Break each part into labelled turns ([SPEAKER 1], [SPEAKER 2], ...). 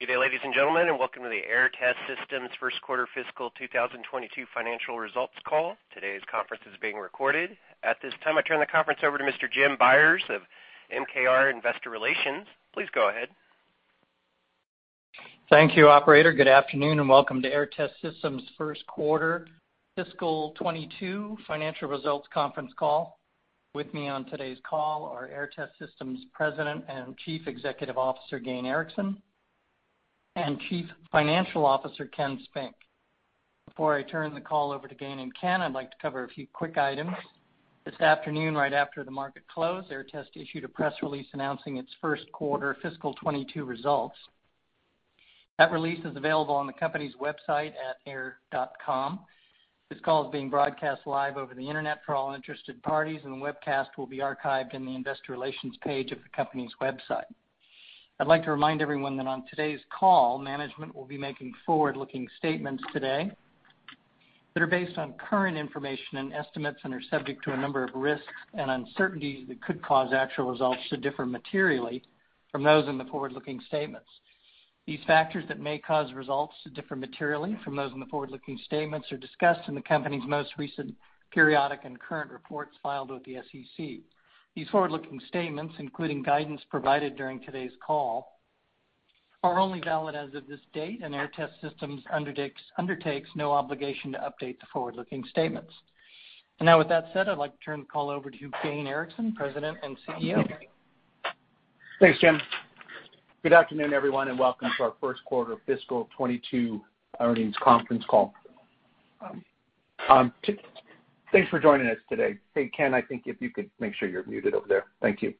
[SPEAKER 1] Good day, ladies and gentlemen, and welcome to the Aehr Test Systems first quarter fiscal 2022 financial results call. Today's conference is being recorded. At this time, I turn the conference over to Mr. Jim Byers of MKR Investor Relations. Please go ahead.
[SPEAKER 2] Thank you, operator. Good afternoon, and welcome to Aehr Test Systems' first quarter fiscal 2022 financial results conference call. With me on today's call are Aehr Test Systems' President and Chief Executive Officer, Gayn Erickson, and Chief Financial Officer, Ken Spink. Before I turn the call over to Gayn and Ken, I'd like to cover a few quick items. This afternoon, right after the market close, Aehr Test issued a press release announcing its first quarter fiscal 2022 results. That release is available on the company's website at aehr.com. This call is being broadcast live over the internet for all interested parties, and the webcast will be archived in the investor relations page of the company's website. I'd like to remind everyone that on today's call, management will be making forward-looking statements today that are based on current information and estimates and are subject to a number of risks and uncertainties that could cause actual results to differ materially from those in the forward-looking statements. These factors that may cause results to differ materially from those in the forward-looking statements are discussed in the company's most recent periodic and current reports filed with the SEC. These forward-looking statements, including guidance provided during today's call, are only valid as of this date, and Aehr Test Systems undertakes no obligation to update the forward-looking statements. Now with that said, I'd like to turn the call over to Gayn Erickson, President and CEO.
[SPEAKER 3] Thanks, Jim. Good afternoon, everyone, and welcome to our first quarter fiscal 2022 earnings conference call. Thanks for joining us today. Hey, Ken, I think if you could make sure you're muted over there. Thank you.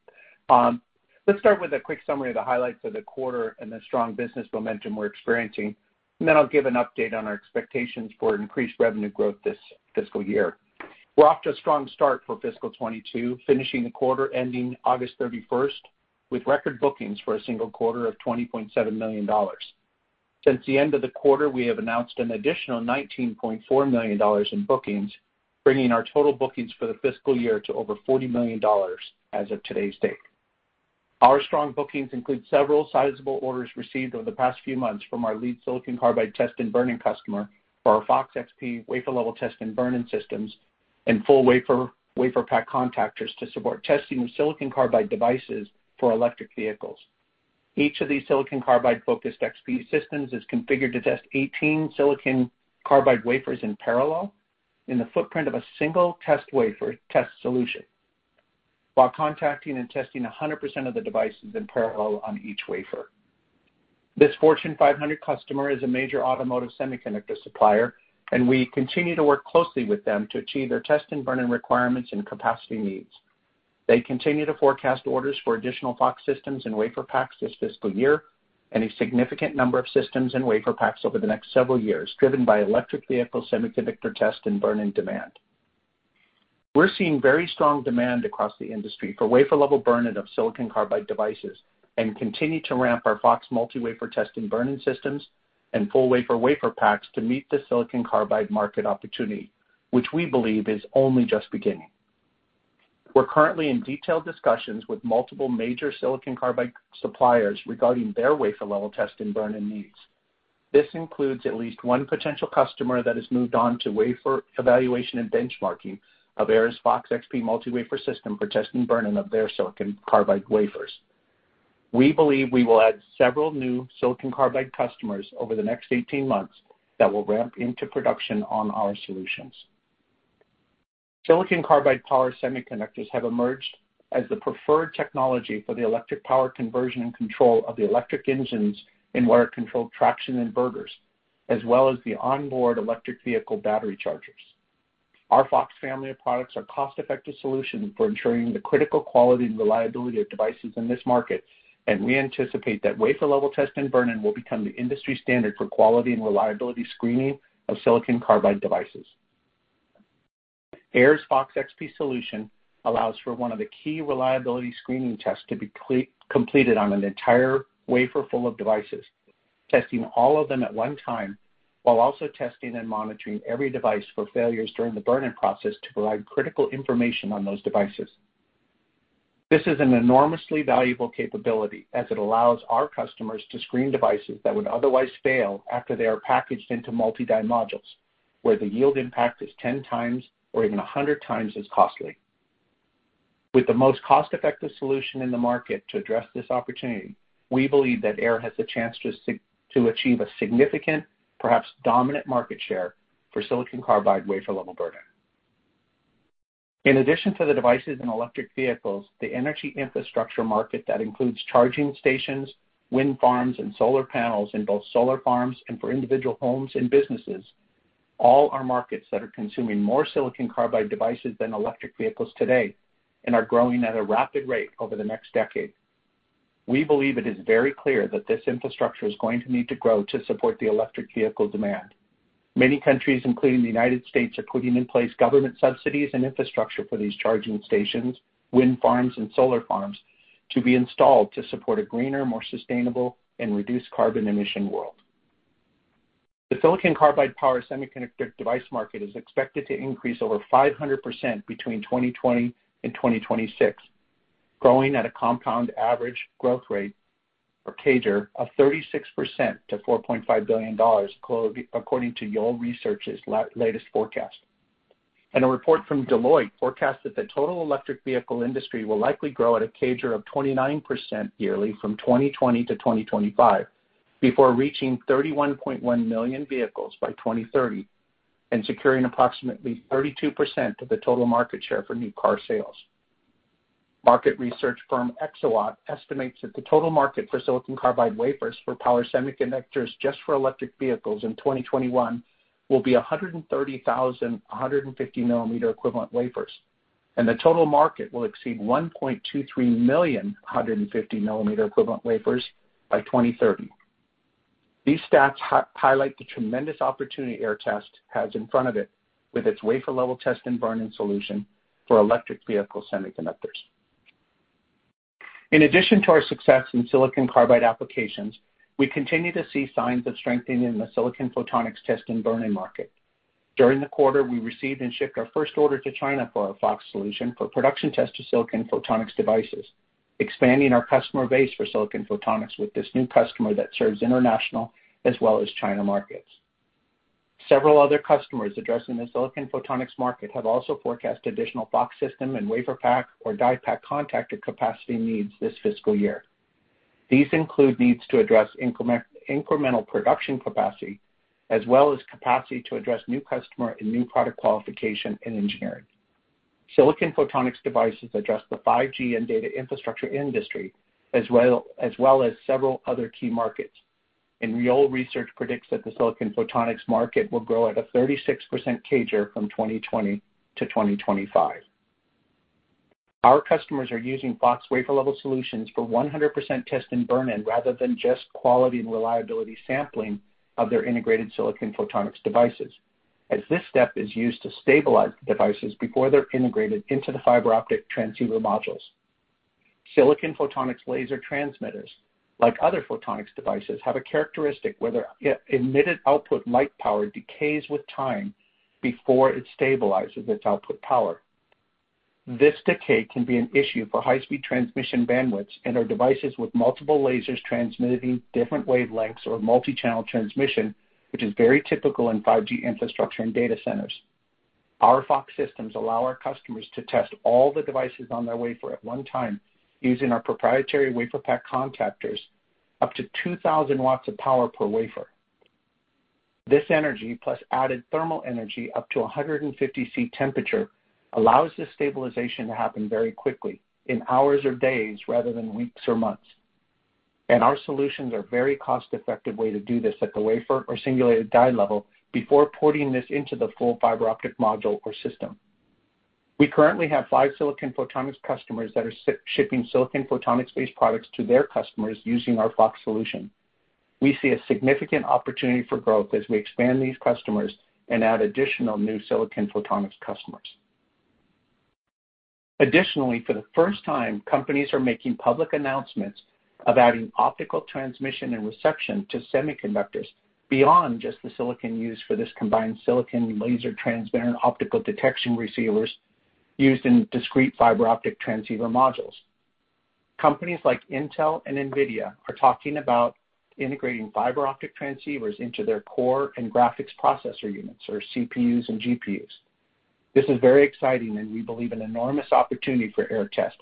[SPEAKER 3] Let's start with a quick summary of the highlights of the quarter and the strong business momentum we're experiencing, and then I'll give an update on our expectations for increased revenue growth this fiscal year. We're off to a strong start for fiscal 2022, finishing the quarter ending August 31st with record bookings for a single quarter of $20.7 million. Since the end of the quarter, we have announced an additional $19.4 million in bookings, bringing our total bookings for the fiscal year to over $40 million as of today's date. Our strong bookings include several sizable orders received over the past few months from our lead silicon carbide test and burn-in customer for our FOX-XP wafer level test and burn-in systems and full WaferPak contactors to support testing of silicon carbide devices for electric vehicles. Each of these silicon carbide-focused XP systems is configured to test 18 silicon carbide wafers in parallel in the footprint of a single wafer test solution, while contacting and testing 100% of the devices in parallel on each wafer. This Fortune 500 customer is a major automotive semiconductor supplier. We continue to work closely with them to achieve their test and burn-in requirements and capacity needs. They continue to forecast orders for additional FOX systems and WaferPaks this fiscal year and a significant number of systems and WaferPaks over the next several years, driven by electric vehicle semiconductor test and burn-in demand. We're seeing very strong demand across the industry for wafer-level burn-in of silicon carbide devices and continue to ramp our FOX multi-wafer test and burn-in systems and full WaferPaks to meet the silicon carbide market opportunity, which we believe is only just beginning. We're currently in detailed discussions with multiple major silicon carbide suppliers regarding their wafer-level test and burn-in needs. This includes at least one potential customer that has moved on to wafer evaluation and benchmarking of Aehr's FOX-XP multi-wafer system for test and burn-in of their silicon carbide wafers. We believe we will add several new silicon carbide customers over the next 18 months that will ramp into production on our solutions. Silicon carbide power semiconductors have emerged as the preferred technology for the electric power conversion and control of the electric engines in motor-controlled traction inverters, as well as the onboard electric vehicle battery chargers. Our FOX family of products are cost-effective solutions for ensuring the critical quality and reliability of devices in this market, and we anticipate that wafer-level test and burn-in will become the industry standard for quality and reliability screening of silicon carbide devices. Aehr's FOX-XP solution allows for one of the key reliability screening tests to be completed on an entire wafer full of devices, testing all of them at one time, while also testing and monitoring every device for failures during the burn-in process to provide critical information on those devices. This is an enormously valuable capability, as it allows our customers to screen devices that would otherwise fail after they are packaged into multi-die modules, where the yield impact is 10x or even 100x as costly. With the most cost-effective solution in the market to address this opportunity, we believe that Aehr has the chance to achieve a significant, perhaps dominant, market share for silicon carbide wafer-level burn-in. In addition to the devices in electric vehicles, the energy infrastructure market that includes charging stations, wind farms, and solar panels in both solar farms and for individual homes and businesses, all are markets that are consuming more silicon carbide devices than electric vehicles today and are growing at a rapid rate over the next decade. We believe it is very clear that this infrastructure is going to need to grow to support the electric vehicle demand. Many countries, including the U.S., are putting in place government subsidies and infrastructure for these charging stations, wind farms, and solar farms to be installed to support a greener, more sustainable, and reduced carbon emission world. The silicon carbide power semiconductor device market is expected to increase over 500% between 2020 and 2026, growing at a compound average growth rate, or CAGR, of 36% to $4.5 billion, according to Yole Research’s latest forecast. A report from Deloitte forecasts that the total electric vehicle industry will likely grow at a CAGR of 29% yearly from 2020 to 2025 before reaching 31.1 million vehicles by 2030 and securing approximately 32% of the total market share for new car sales. Market research firm Exawatt estimates that the total market for silicon carbide wafers for power semiconductors just for electric vehicles in 2021 will be 130,000 150 mm equivalent wafers, and the total market will exceed 1.23 million 150 mm equivalent wafers by 2030. These stats highlight the tremendous opportunity Aehr Test has in front of it with its wafer level test and burn-in solution for electric vehicle semiconductors. In addition to our success in silicon carbide applications, we continue to see signs of strengthening in the silicon photonics test and burn-in market. During the quarter, we received and shipped our first order to China for our FOX solution for production test of silicon photonics devices, expanding our customer base for silicon photonics with this new customer that serves international as well as China markets. Several other customers addressing the silicon photonics market have also forecast additional FOX system and WaferPak or DiePak contactor capacity needs this fiscal year. These include needs to address incremental production capacity as well as capacity to address new customer and new product qualification in engineering. Silicon photonics devices address the 5G and data infrastructure industry, as well as several other key markets, and Yole Research’s predicts that the silicon photonics market will grow at a 36% CAGR from 2020 to 2025. Our customers are using FOX wafer level solutions for 100% test and burn-in rather than just quality and reliability sampling of their integrated silicon photonics devices, as this step is used to stabilize the devices before they're integrated into the fiber optic transceiver modules. Silicon photonics laser transmitters, like other photonics devices, have a characteristic where their emitted output light power decays with time before it stabilizes its output power. This decay can be an issue for high-speed transmission bandwidths and are devices with multiple lasers transmitting different wavelengths or multi-channel transmission, which is very typical in 5G infrastructure and data centers. Our FOX systems allow our customers to test all the devices on their wafer at one time using our proprietary WaferPak contactors up to 2,000 watts of power per wafer. This energy, plus added thermal energy up to 150 C temperature, allows this stabilization to happen very quickly, in hours or days rather than weeks or months. Our solutions are very cost-effective way to do this at the wafer or singulated die level before porting this into the full fiber optic module or system. We currently have five silicon photonics customers that are shipping silicon photonics-based products to their customers using our FOX solution. We see a significant opportunity for growth as we expand these customers and add additional new silicon photonics customers. Additionally, for the first time, companies are making public announcements about an optical transmission and reception to semiconductors beyond just the silicon used for this combined silicon laser transmitter and optical detection receivers used in discrete fiber optic transceiver modules. Companies like Intel and NVIDIA are talking about integrating fiber optic transceivers into their core and graphics processor units, or CPUs and GPUs. This is very exciting and we believe an enormous opportunity for Aehr Test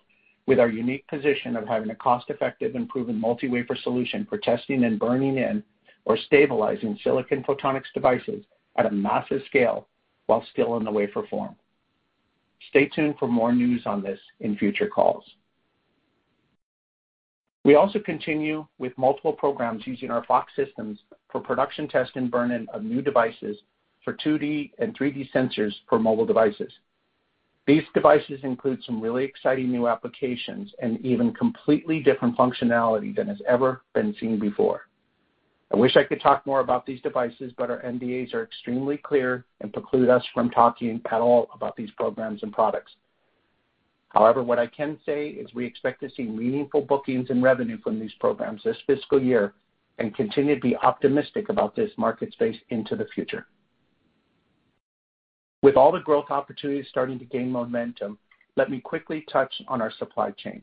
[SPEAKER 3] with our unique position of having a cost-effective and proven multi-wafer solution for testing and burning-in or stabilizing silicon photonics devices at a massive scale while still in the wafer form. Stay tuned for more news on this in future calls. We also continue with multiple programs using our FOX systems for production test and burn-in of new devices for 2D and 3D sensors for mobile devices. These devices include some really exciting new applications and even completely different functionality than has ever been seen before. I wish I could talk more about these devices, but our NDAs are extremely clear and preclude us from talking at all about these programs and products. However, what I can say is we expect to see meaningful bookings and revenue from these programs this fiscal year and continue to be optimistic about this market space into the future. With all the growth opportunities starting to gain momentum, let me quickly touch on our supply chain.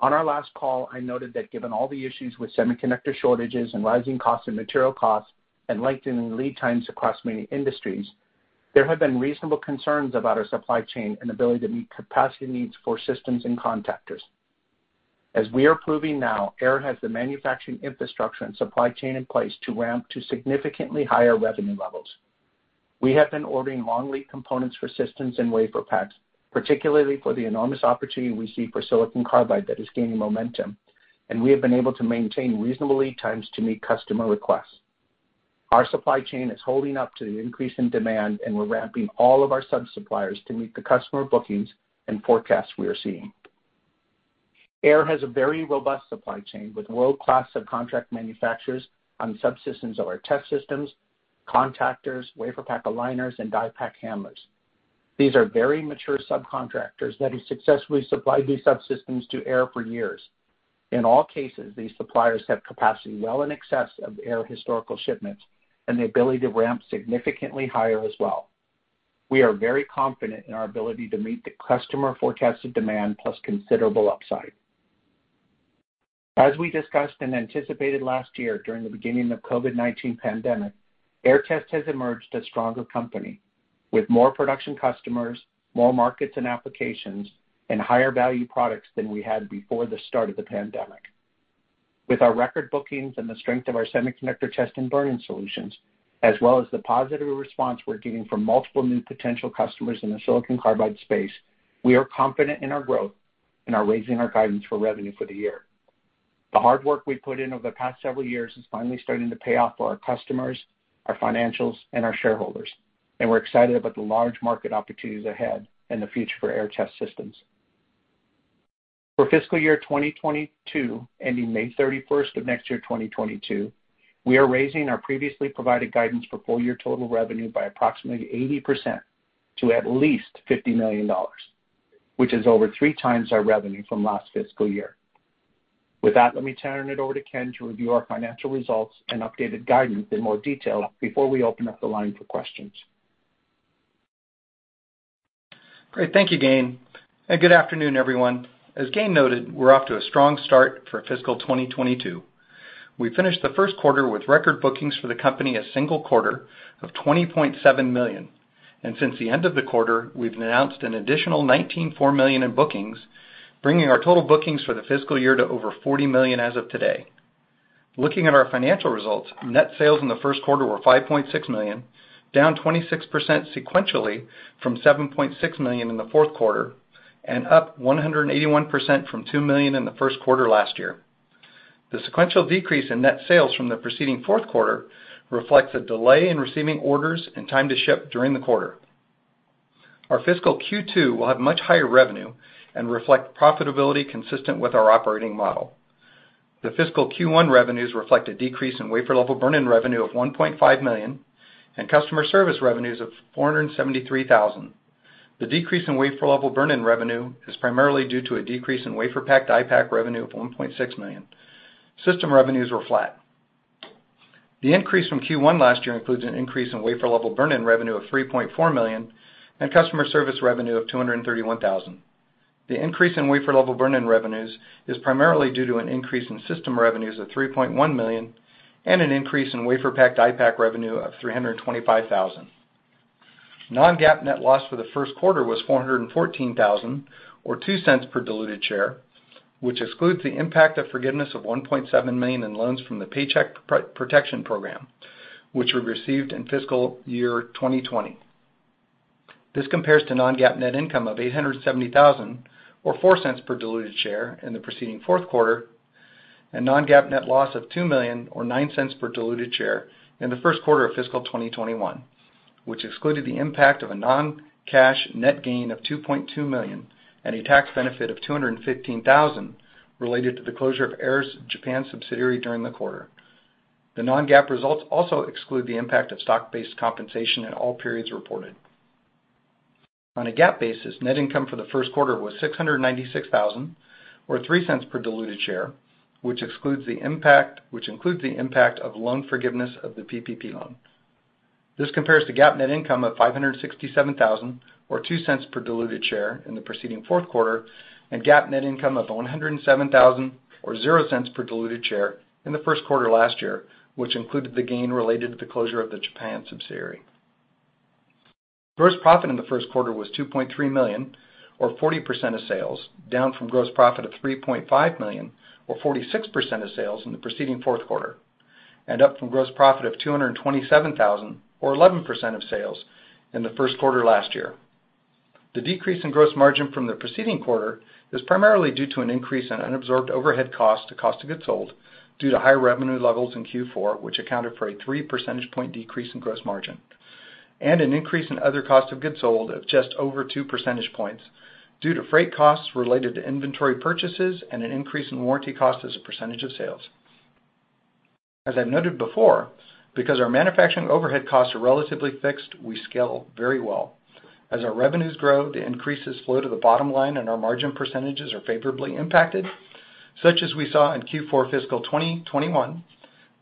[SPEAKER 3] On our last call, I noted that given all the issues with semiconductor shortages and rising costs in material costs and lengthening lead times across many industries, there have been reasonable concerns about our supply chain and ability to meet capacity needs for systems and contactors. We are proving now, Aehr has the manufacturing infrastructure and supply chain in place to ramp to significantly higher revenue levels. We have been ordering long lead components for systems and WaferPaks, particularly for the enormous opportunity we see for silicon carbide that is gaining momentum, and we have been able to maintain reasonable lead times to meet customer requests. Our supply chain is holding up to the increase in demand, and we're ramping all of our sub-suppliers to meet the customer bookings and forecasts we are seeing. Aehr has a very robust supply chain with world-class subcontract manufacturers on subsystems of our test systems, contactors, WaferPak Aligners, and DiePak Loaders. These are very mature subcontractors that have successfully supplied these subsystems to Aehr for years. In all cases, these suppliers have capacity well in excess of Aehr historical shipments and the ability to ramp significantly higher as well. We are very confident in our ability to meet the customer forecasted demand plus considerable upside. As we discussed and anticipated last year during the beginning of COVID-19 pandemic, Aehr Test has emerged a stronger company with more production customers, more markets and applications, and higher value products than we had before the start of the pandemic. With our record bookings and the strength of our semiconductor test and burn-in solutions, as well as the positive response we're getting from multiple new potential customers in the silicon carbide space, we are confident in our growth and are raising our guidance for revenue for the year. The hard work we've put in over the past several years has finally started to pay off for our customers, our financials and our shareholders and we're excited about the large market opportunities ahead and the future for Aehr Test Systems. For fiscal year 2022, ending May 31st of next year, 2022, we are raising our previously provided guidance for full year total revenue by approximately 80% to at least $50 million, which is over 3x our revenue from last fiscal year. With that, let me turn it over to Ken to review our financial results and updated guidance in more detail before we open up the line for questions.
[SPEAKER 4] Great. Thank you, Gayn. Good afternoon, everyone. As Gayn noted, we're off to a strong start for fiscal 2022. We finished the first quarter with record bookings for the company, a single quarter of $20.7 million. Since the end of the quarter, we've announced an additional $19.4 million in bookings, bringing our total bookings for the fiscal year to over $40 million as of today. Looking at our financial results, net sales in the first quarter were $5.6 million, down 26% sequentially from $7.6 million in the fourth quarter, and up 181% from $2 million in the first quarter last year. The sequential decrease in net sales from the preceding fourth quarter reflects a delay in receiving orders and time to ship during the quarter. Our fiscal Q2 will have much higher revenue and reflect profitability consistent with our operating model. The fiscal Q1 revenues reflect a decrease in wafer-level burn-in revenue of $1.5 million and customer service revenues of $473,000. The decrease in wafer-level burn-in revenue is primarily due to a decrease in WaferPak/DiePak revenue of $1.6 million. System revenues were flat. The increase from Q1 last year includes an increase in wafer-level burn-in revenue of $3.4 million and customer service revenue of $231,000. The increase in wafer-level burn-in revenues is primarily due to an increase in system revenues of $3.1 million and an increase in WaferPak/DiePak revenue of $325,000. Non-GAAP net loss for the first quarter was $414,000, or $0.02 per diluted share, which excludes the impact of forgiveness of $1.7 million in loans from the Paycheck Protection Program, which we received in fiscal year 2020. This compares to non-GAAP net income of $870,000, or $0.04 per diluted share in the preceding fourth quarter, and non-GAAP net loss of $2 million or $0.09 per diluted share in the first quarter of fiscal 2021, which excluded the impact of a non-cash net gain of $2.2 million and a tax benefit of $215,000 related to the closure of Aehr's Japan subsidiary during the quarter. The non-GAAP results also exclude the impact of stock-based compensation in all periods reported. On a GAAP basis, net income for the first quarter was $696,000, or $0.03 per diluted share, which includes the impact of loan forgiveness of the PPP loan. This compares to GAAP net income of $567,000, or $0.02 per diluted share in the preceding fourth quarter, and GAAP net income of $107,000, or $0.00 per diluted share in the first quarter last year, which included the gain related to the closure of the Japan subsidiary. Gross profit in the first quarter was $2.3 million or 40% of sales, down from gross profit of $3.5 million or 46% of sales in the preceding fourth quarter, and up from gross profit of $227,000 or 11% of sales in the first quarter last year. The decrease in gross margin from the preceding quarter is primarily due to an increase in unabsorbed overhead cost to cost of goods sold due to higher revenue levels in Q4, which accounted for a 3 percentage point decrease in gross margin, and an increase in other cost of goods sold of just over 2 percentage points due to freight costs related to inventory purchases and an increase in warranty cost as a percentage of sales. As I've noted before, because our manufacturing overhead costs are relatively fixed, we scale very well. As our revenues grow, the increases flow to the bottom line, and our margin percentages are favorably impacted, such as we saw in Q4 fiscal 2021,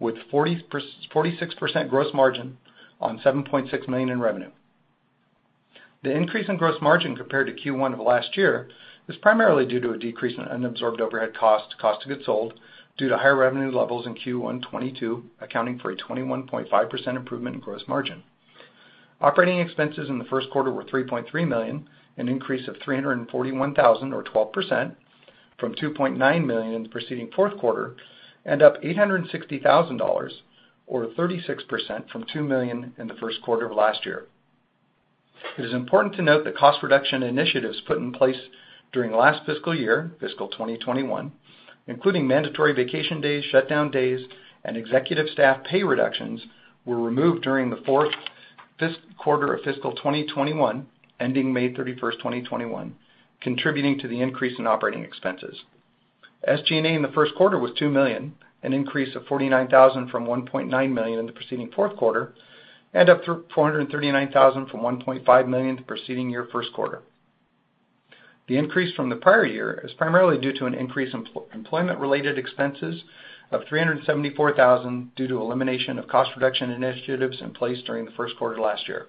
[SPEAKER 4] with 46% gross margin on $7.6 million in revenue. The increase in gross margin compared to Q1 of last year is primarily due to a decrease in unabsorbed overhead cost to cost of goods sold due to higher revenue levels in Q1 2022, accounting for a 21.5% improvement in gross margin. Operating expenses in the first quarter were $3.3 million, an increase of $341,000, or 12%, from $2.9 million in the preceding fourth quarter, and up $860,000, or 36%, from $2 million in the first quarter of last year. It is important to note that cost reduction initiatives put in place during last fiscal year, fiscal 2021, including mandatory vacation days, shutdown days, and executive staff pay reductions, were removed during the fourth quarter of fiscal 2021, ending May 31st, 2021, contributing to the increase in operating expenses. SG&A in the first quarter was $2 million, an increase of $49,000 from $1.9 million in the preceding fourth quarter, and up $439,000 from $1.5 million the preceding year first quarter. The increase from the prior year is primarily due to an increase in employment-related expenses of $374,000 due to elimination of cost reduction initiatives in place during the first quarter last year.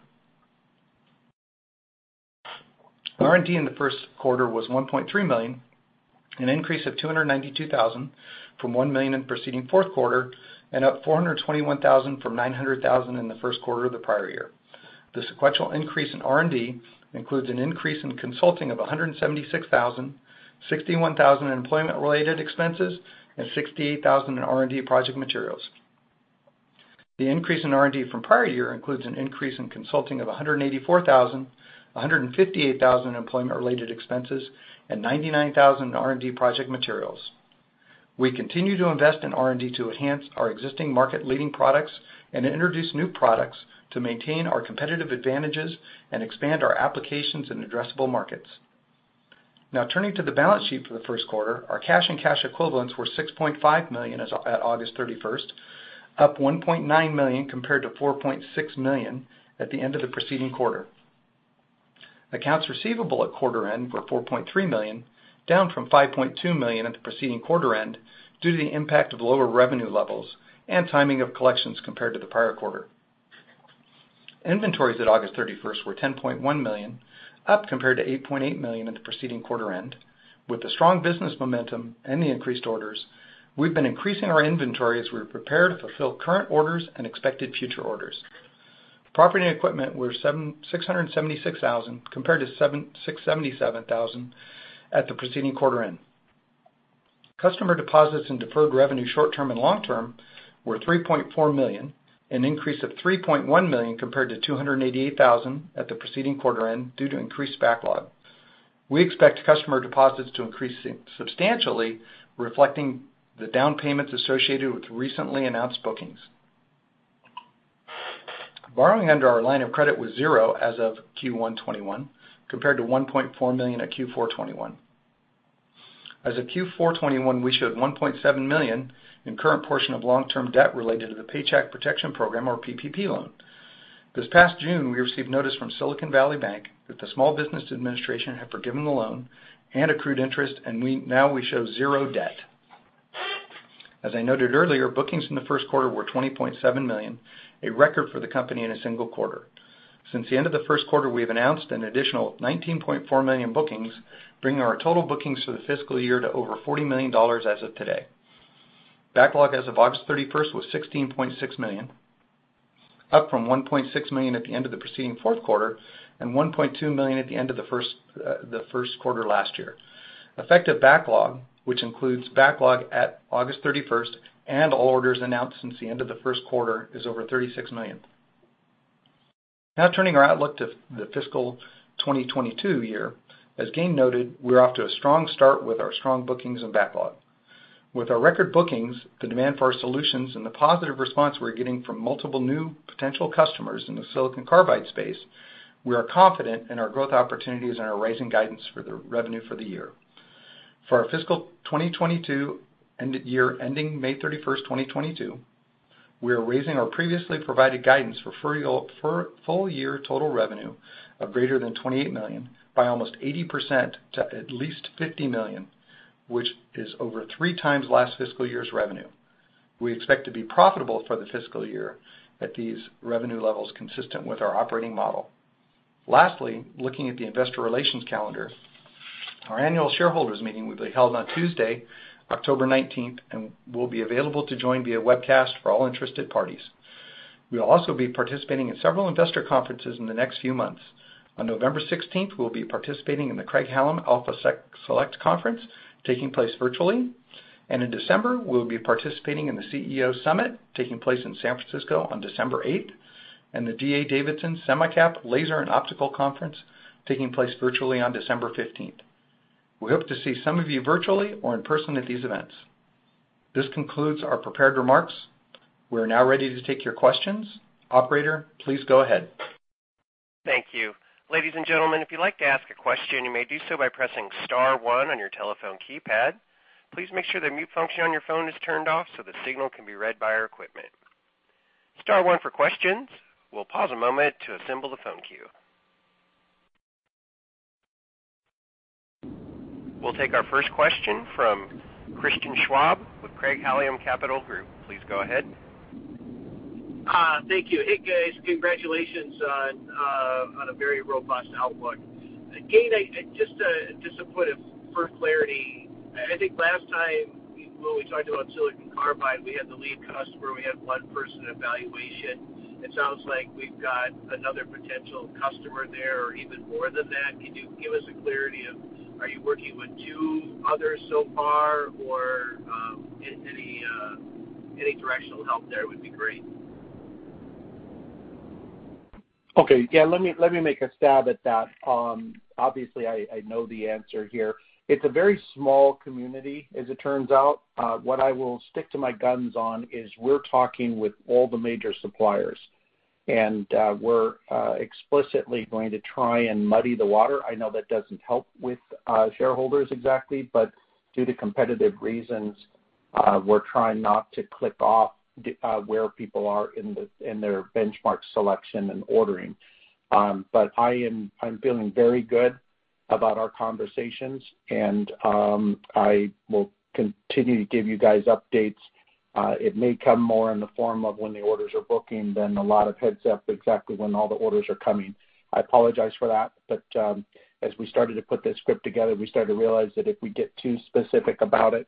[SPEAKER 4] R&D in the first quarter was $1.3 million, an increase of $292,000 from $1 million in the preceding fourth quarter, and up $421,000 from $900,000 in the first quarter of the prior year. The sequential increase in R&D includes an increase in consulting of $176,000, $61,000 in employment-related expenses, and $68,000 in R&D project materials. The increase in R&D from prior year includes an increase in consulting of $184,000, $158,000 in employment-related expenses, and $99,000 in R&D project materials. We continue to invest in R&D to enhance our existing market-leading products and introduce new products to maintain our competitive advantages and expand our applications in addressable markets. Now turning to the balance sheet for the first quarter. Our cash and cash equivalents were $6.5 million at August 31st, up $1.9 million compared to $4.6 million at the end of the preceding quarter. Accounts receivable at quarter end were $4.3 million, down from $5.2 million at the preceding quarter end due to the impact of lower revenue levels and timing of collections compared to the prior quarter. Inventories at August 31st were $10.1 million, up compared to $8.8 million at the preceding quarter end. With the strong business momentum and the increased orders, we've been increasing our inventory as we prepare to fulfill current orders and expected future orders. Property and equipment were $676,000, compared to $677,000 at the preceding quarter end. Customer deposits and deferred revenue short-term and long-term were $3.4 million, an increase of $3.1 million compared to $288,000 at the preceding quarter end due to increased backlog. We expect customer deposits to increase substantially, reflecting the down payments associated with recently announced bookings. Borrowing under our line of credit was zero as of Q1 2021, compared to $1.4 million at Q4 2021. As of Q4 2021, we showed $1.7 million in current portion of long-term debt related to the Paycheck Protection Program, or PPP loan. This past June, we received notice from Silicon Valley Bank that the U.S. Small Business Administration had forgiven the loan and accrued interest. Now we show zero debt. As I noted earlier, bookings in the first quarter were $20.7 million, a record for the company in a single quarter. Since the end of the first quarter, we've announced an additional $19.4 million in bookings, bringing our total bookings for the fiscal year to over $40 million as of today. Backlog as of August 31st was $16.6 million, up from $1.6 million at the end of the preceding fourth quarter, and $1.2 million at the end of the first quarter last year. Effective backlog, which includes backlog at August 31st and all orders announced since the end of the first quarter, is over $36 million. Turning our outlook to the fiscal 2022 year. As Gayn noted, we're off to a strong start with our strong bookings and backlog. With our record bookings, the demand for our solutions, and the positive response we're getting from multiple new potential customers in the silicon carbide space, we are confident in our growth opportunities and are raising guidance for the revenue for the year. For our fiscal 2022 year ending May 31st, 2022, we are raising our previously provided guidance for full year total revenue of greater than $28 million by almost 80% to at least $50 million, which is over 3x last fiscal year's revenue. We expect to be profitable for the fiscal year at these revenue levels consistent with our operating model. Lastly, looking at the investor relations calendar, our annual shareholders meeting will be held on Tuesday, October 19th, and will be available to join via webcast for all interested parties. We will also be participating in several investor conferences in the next few months. On November 16th, we'll be participating in the Craig-Hallum Alpha Select Conference, taking place virtually. In December, we'll be participating in the CEO Summit, taking place in San Francisco on December 8th, and the D.A. Davidson Semicap, Laser and Optical Conference, taking place virtually on December 15th. We hope to see some of you virtually or in person at these events. This concludes our prepared remarks. We're now ready to take your questions. Operator, please go ahead.
[SPEAKER 1] Thank you. Ladies and gentlemen, we'll take our first question from Christian Schwab with Craig-Hallum Capital Group. Please go ahead.
[SPEAKER 5] Thank you. Hey, guys. Congratulations on a very robust outlook. Gayn, just to put it for clarity, I think last time when we talked about silicon carbide, we had the lead customer, we had one person evaluation. It sounds like we've got another potential customer there, or even more than that. Can you give us a clarity of are you working with two others so far, or any directional help there would be great.
[SPEAKER 3] Okay. Yeah, let me make a stab at that. Obviously, I know the answer here. It's a very small community, as it turns out. What I will stick to my guns on is we're talking with all the major suppliers and we're explicitly going to try and muddy the water. I know that doesn't help with shareholders exactly, but due to competitive reasons, we're trying not to click off where people are in their benchmark selection and ordering. I'm feeling very good about our conversations, and I will continue to give you guys updates. It may come more in the form of when the orders are booking than a lot of heads-up exactly when all the orders are coming. I apologize for that, but as we started to put this script together, we started to realize that if we get too specific about it,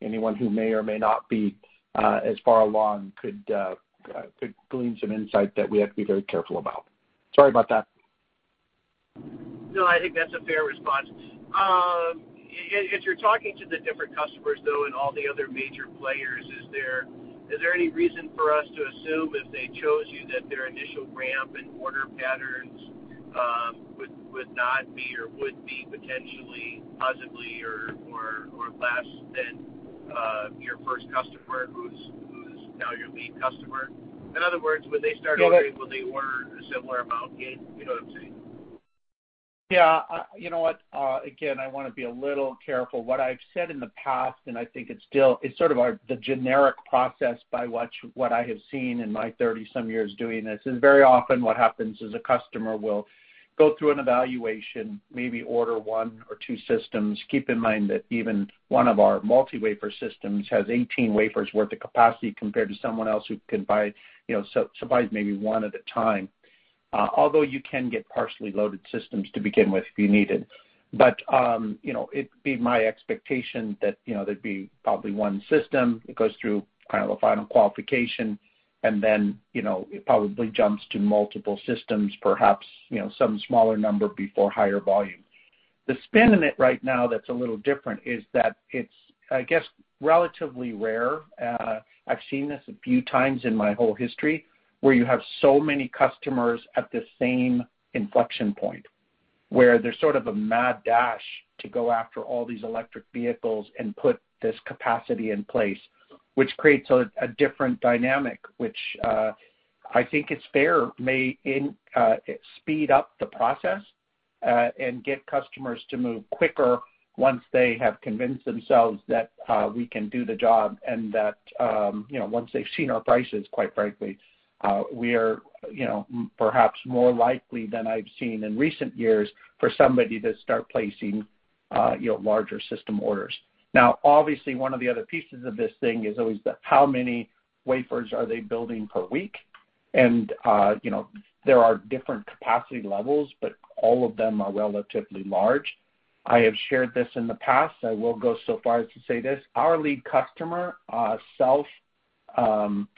[SPEAKER 3] anyone who may or may not be as far along could glean some insight that we have to be very careful about. Sorry about that.
[SPEAKER 5] No, I think that's a fair response. As you're talking to the different customers, though, and all the other major players, is there any reason for us to assume if they chose you, that their initial ramp and order patterns would not be or would be potentially positively or less than your first customer who's now your lead customer? In other words, would they start-
[SPEAKER 3] No.
[SPEAKER 5] out equal they order a similar amount, Gayn? You know what I'm saying.
[SPEAKER 3] Yeah. You know what? Again, I want to be a little careful. What I've said in the past, and I think it's sort of the generic process by what I have seen in my 30-some years doing this, is very often what happens is a customer will go through an evaluation, maybe order one or two systems. Keep in mind that even one of our multi-wafer systems has 18 wafers worth of capacity compared to someone else who can buy maybe one at a time. Although you can get partially loaded systems to begin with if you needed. It'd be my expectation that there'd be probably one system, it goes through kind of a final qualification, and then it probably jumps to multiple systems, perhaps some smaller number before higher volume. The spin in it right now that's a little different is that it's, I guess, relatively rare, I've seen this a few times in my whole history, where you have so many customers at the same inflection point, where there's sort of a mad dash to go after all these electric vehicles and put this capacity in place, which creates a different dynamic, which, I think it's fair, may speed up the process, and get customers to move quicker once they have convinced themselves that we can do the job and that once they've seen our prices, quite frankly, we are perhaps more likely than I've seen in recent years for somebody to start placing larger system orders. Obviously, one of the other pieces of this thing is always that how many wafers are they building per week? There are different capacity levels, but all of them are relatively large. I have shared this in the past. I will go so far as to say this. Our lead customer, self-states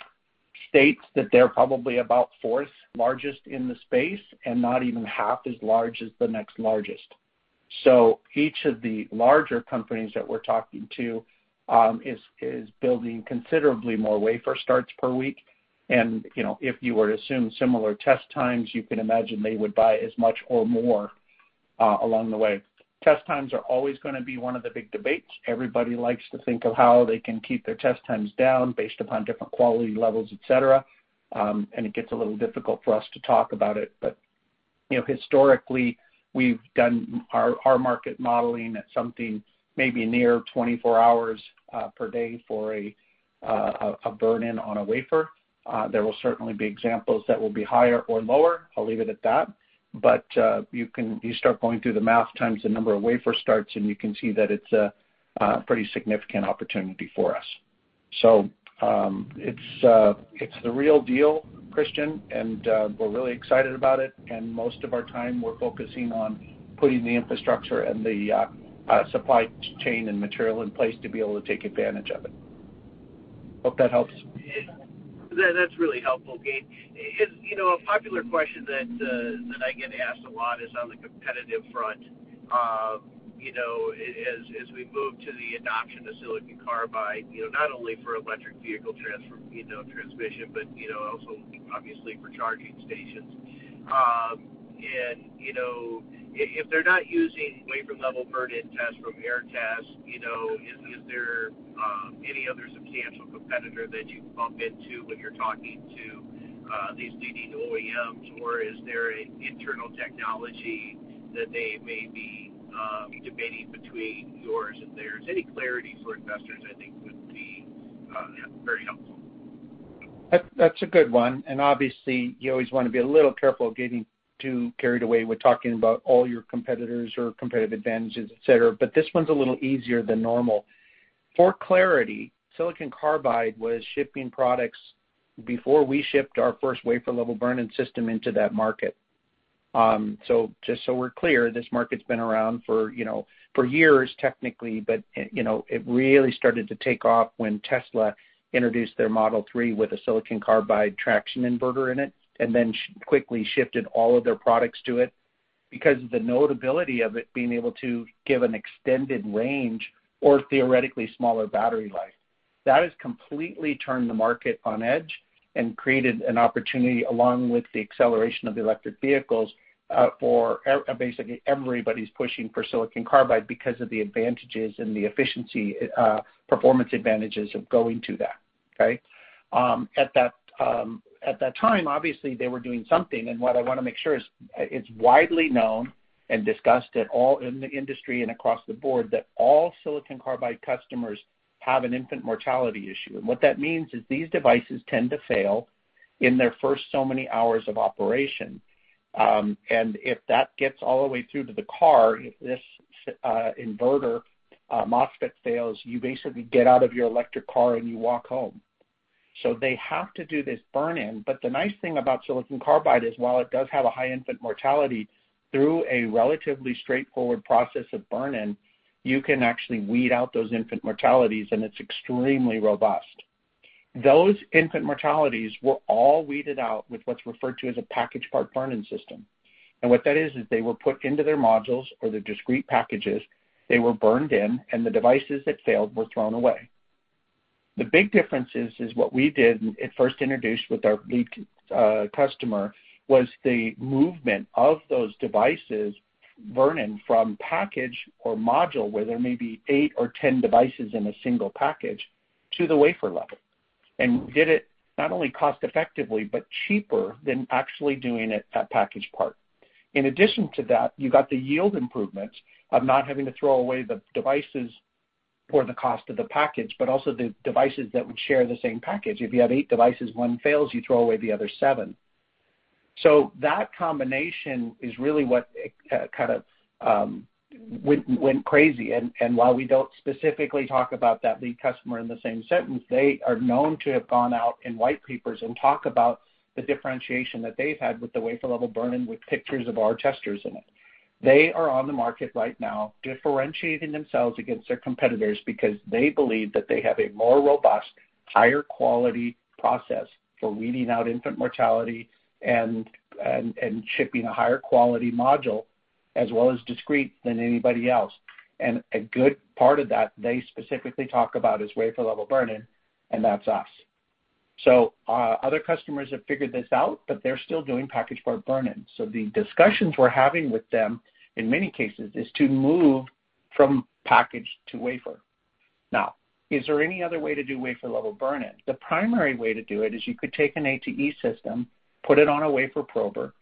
[SPEAKER 3] that they're probably about fourth largest in the space and not even half as large as the next largest. Each of the larger companies that we're talking to is building considerably more wafer starts per week, and if you were to assume similar test times, you can imagine they would buy as much or more along the way. Test times are always going to be one of the big debates. Everybody likes to think of how they can keep their test times down based upon different quality levels, et cetera, and it gets a little difficult for us to talk about it. Historically, we've done our market modeling at something maybe near 24 hours per day for a burn-in on a wafer. There will certainly be examples that will be higher or lower. I'll leave it at that. You start going through the math times the number of wafer starts, and you can see that it's a pretty significant opportunity for us. It's the real deal, Christian, and we're really excited about it, and most of our time, we're focusing on putting the infrastructure and the supply chain and material in place to be able to take advantage of it. Hope that helps.
[SPEAKER 5] That's really helpful, Gayn. A popular question that I get asked a lot is on the competitive front. As we move to the adoption of silicon carbide, not only for electric vehicle transmission but also obviously for charging stations. If they're not using wafer level burn-in test from Aehr Test, is there any other substantial competitor that you bump into when you're talking to these DD OEMs, or is there an internal technology that they may be debating between yours and theirs? Any clarity for investors, I think, would be very helpful.
[SPEAKER 3] That's a good one. Obviously, you always want to be a little careful of getting too carried away with talking about all your competitors or competitive advantages, et cetera. This one's a little easier than normal. For clarity, silicon carbide was shipping products before we shipped our first wafer-level burn-in system into that market. Just so we're clear, this market's been around for years, technically. It really started to take off when Tesla introduced their Model 3 with a silicon carbide traction inverter in it, then quickly shifted all of their products to it because of the notability of it being able to give an extended range or theoretically smaller battery life. That has completely turned the market on edge and created an opportunity, along with the acceleration of the electric vehicles, for basically everybody's pushing for silicon carbide because of the advantages and the efficiency, performance advantages of going to that. Okay. At that time, obviously, they were doing something, and what I want to make sure is, it's widely known and discussed at all in the industry and across the board that all silicon carbide customers have an infant mortality issue. What that means is these devices tend to fail in their first so many hours of operation. If that gets all the way through to the car, if this inverter MOSFET fails, you basically get out of your electric car, and you walk home. They have to do this burn-in, but the nice thing about silicon carbide is, while it does have a high infant mortality, through a relatively straightforward process of burn-in, you can actually weed out those infant mortalities, and it's extremely robust. Those infant mortalities were all weeded out with what's referred to as a package-part burn-in system. What that is they were put into their modules or their discrete packages, they were burned in, and the devices that failed were thrown away. The big difference is what we did, and it first introduced with our lead customer, was the movement of those devices burn-in from package or module, where there may be eight or 10 devices in a single package, to the wafer-level. Did it not only cost effectively, but cheaper than actually doing it at package-part. In addition to that, you got the yield improvements of not having to throw away the devices for the cost of the package, but also the devices that would share the same package. If you have eight devices, one fails, you throw away the other seven. That combination is really what kind of went crazy. While we don't specifically talk about that lead customer in the same sentence, they are known to have gone out in white papers and talk about the differentiation that they've had with the wafer-level burn-in with pictures of our testers in it. They are on the market right now differentiating themselves against their competitors because they believe that they have a more robust, higher quality process for weeding out infant mortality and shipping a higher quality module, as well as discrete, than anybody else. A good part of that, they specifically talk about, is wafer level burn-in, and that's us. Other customers have figured this out, but they're still doing package-part burn-in. The discussions we're having with them, in many cases, is to move from package to wafer. Now, is there any other way to do wafer level burn-in? The primary way to do it is you could take an ATE system, put it on a wafer prober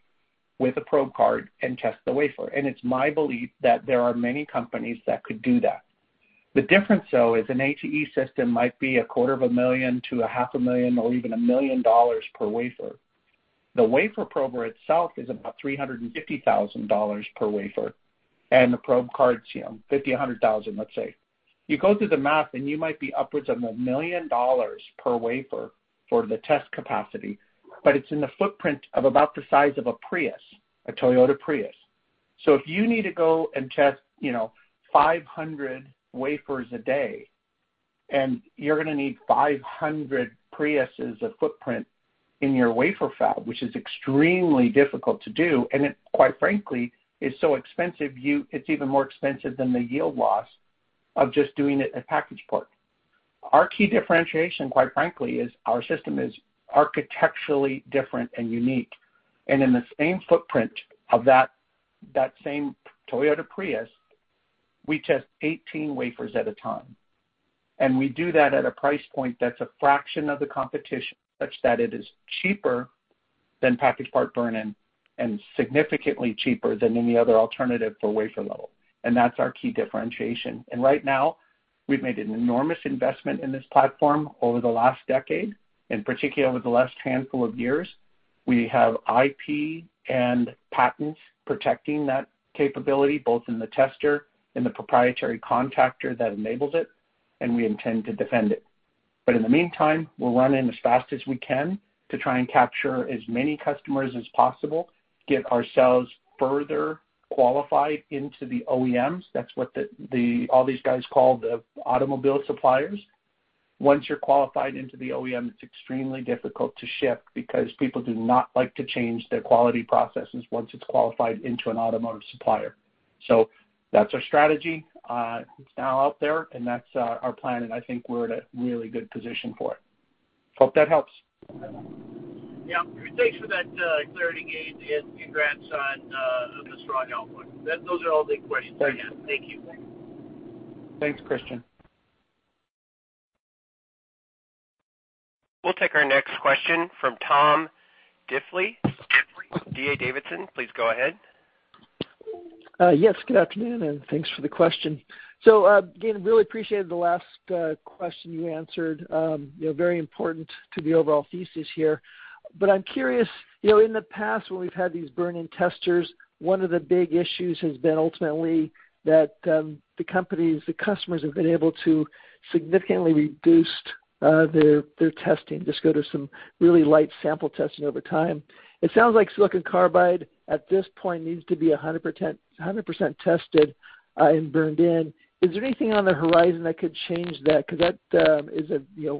[SPEAKER 3] with a probe card, and test the wafer. It's my belief that there are many companies that could do that. The difference, though, is an ATE system might be a quarter of a million to a half a million, or even $1 million per wafer. The wafer prober itself is about $350,000 per wafer, and the probe card's $50,000, $100,000, let's say. You go through the math, you might be upwards of $1 million per wafer for the test capacity, it's in the footprint of about the size of a Prius, a Toyota Prius. If you need to go and test 500 wafers a day, you're going to need 500 Priuses of footprint in your wafer fab, which is extremely difficult to do, it, quite frankly, is so expensive, it's even more expensive than the yield loss of just doing it at package part. Our key differentiation, quite frankly, is our system is architecturally different and unique. In the same footprint of that same Toyota Prius, we test 18 wafers at a time. We do that at a price point that's a fraction of the competition, such that it is cheaper than package-part burn-in and significantly cheaper than any other alternative for wafer level. That's our key differentiation. Right now, we've made an enormous investment in this platform over the last decade, in particular over the last handful of years. We have IP and patents protecting that capability, both in the tester and the proprietary contactor that enables it, and we intend to defend it. In the meantime, we'll run in as fast as we can to try and capture as many customers as possible, get ourselves further qualified into the OEMs. That's what all these guys call the automobile suppliers. Once you're qualified into the OEM, it's extremely difficult to ship because people do not like to change their quality processes once it's qualified into an automotive supplier. That's our strategy. It's now out there, and that's our plan, and I think we're at a really good position for it. Hope that helps.
[SPEAKER 5] Yeah. Thanks for that clarity, Gayn, and congrats on the strong output. Those are all the questions I have.
[SPEAKER 3] Thank you.
[SPEAKER 5] Thank you.
[SPEAKER 3] Thanks, Christian.
[SPEAKER 1] We'll take our next question from Tom Diffely, D.A. Davidson. Please go ahead.
[SPEAKER 6] Yes, good afternoon, thanks for the question. Again, really appreciated the last question you answered. Very important to the overall thesis here. I'm curious, in the past when we've had these burn-in testers, one of the big issues has been ultimately that the companies, the customers have been able to significantly reduce their testing, just go to some really light sample testing over time. It sounds like silicon carbide at this point needs to be 100% tested and burned in. Is there anything on the horizon that could change that? That is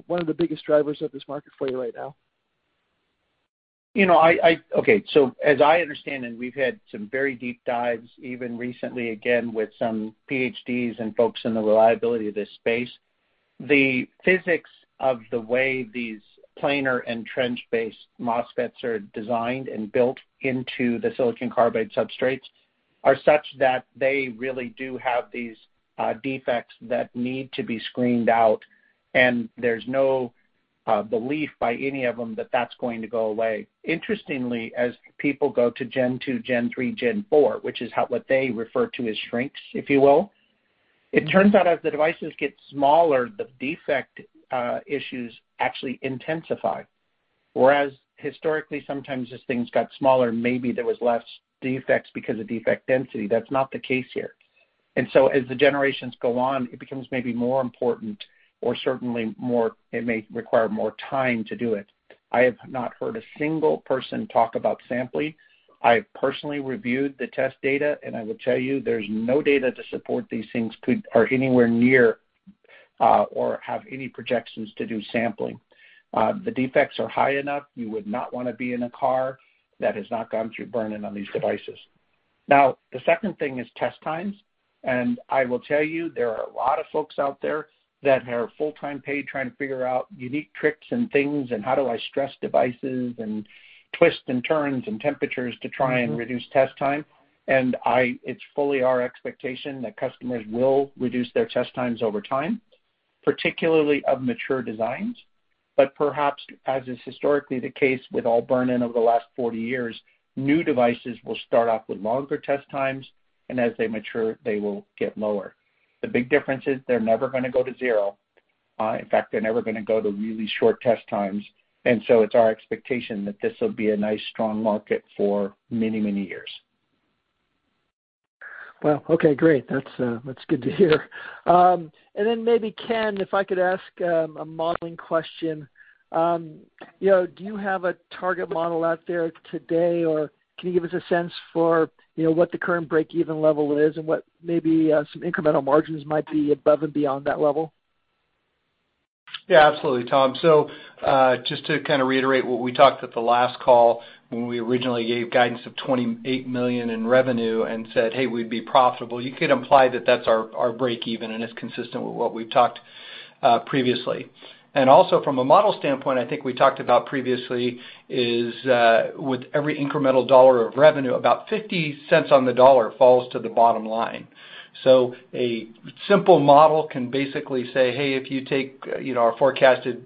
[SPEAKER 6] one of the biggest drivers of this market for you right now.
[SPEAKER 3] Okay. As I understand it, and we've had some very deep dives even recently, again, with some PhDs and folks in the reliability of this space. The physics of the way these planar and trench-based MOSFETs are designed and built into the silicon carbide substrates are such that they really do have these defects that need to be screened out, and there's no belief by any of them that that's going to go away. Interestingly, as people go to Gen 2, Gen 3, Gen 4, which is what they refer to as shrinks, if you will. It turns out as the devices get smaller, the defect issues actually intensify. Historically, sometimes as things got smaller, maybe there was less defects because of defect density. That's not the case here. As the generations go on, it becomes maybe more important or certainly it may require more time to do it. I have not heard a single person talk about sampling. I have personally reviewed the test data, and I will tell you there's no data to support these things are anywhere near or have any projections to do sampling. The defects are high enough. You would not want to be in a car that has not gone through burn-in on these devices. Now, the second thing is test times. I will tell you, there are a lot of folks out there that are full-time paid trying to figure out unique tricks and things and how do I stress devices and twists and turns and temperatures to try and reduce test time. It's fully our expectation that customers will reduce their test times over time, particularly of mature designs. Perhaps as is historically the case with all burn-in over the last 40 years, new devices will start off with longer test times, and as they mature, they will get lower. The big difference is they're never going to go to zero. In fact, they're never going to go to really short test times. It's our expectation that this will be a nice, strong market for many years.
[SPEAKER 6] Well, okay, great. That's good to hear. Then maybe, Ken, if I could ask a modeling question. Do you have a target model out there today, or can you give us a sense for what the current break-even level is and what maybe some incremental margins might be above and beyond that level?
[SPEAKER 4] Yeah, absolutely, Tom. Just to kind of reiterate what we talked at the last call when we originally gave guidance of $28 million in revenue and said, "Hey, we'd be profitable," you could imply that that's our break even, and it's consistent with what we've talked previously. Also from a model standpoint, I think we talked about previously is, with every incremental dollar of revenue, about $0.50 on the dollar falls to the bottom line. A simple model can basically say, hey, if you take our forecasted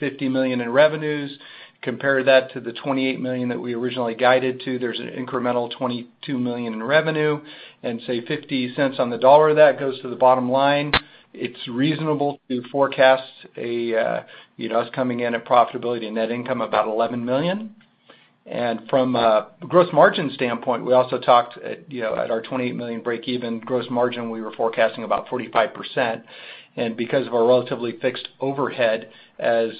[SPEAKER 4] $50 million in revenues, compare that to the $28 million that we originally guided to, there's an incremental $22 million in revenue, and say $0.50 on the dollar of that goes to the bottom line. It's reasonable to forecast us coming in at profitability net income about $11 million. From a gross margin standpoint, we also talked at our $28 million break-even gross margin, we were forecasting about 45%, and because of our relatively fixed overhead, as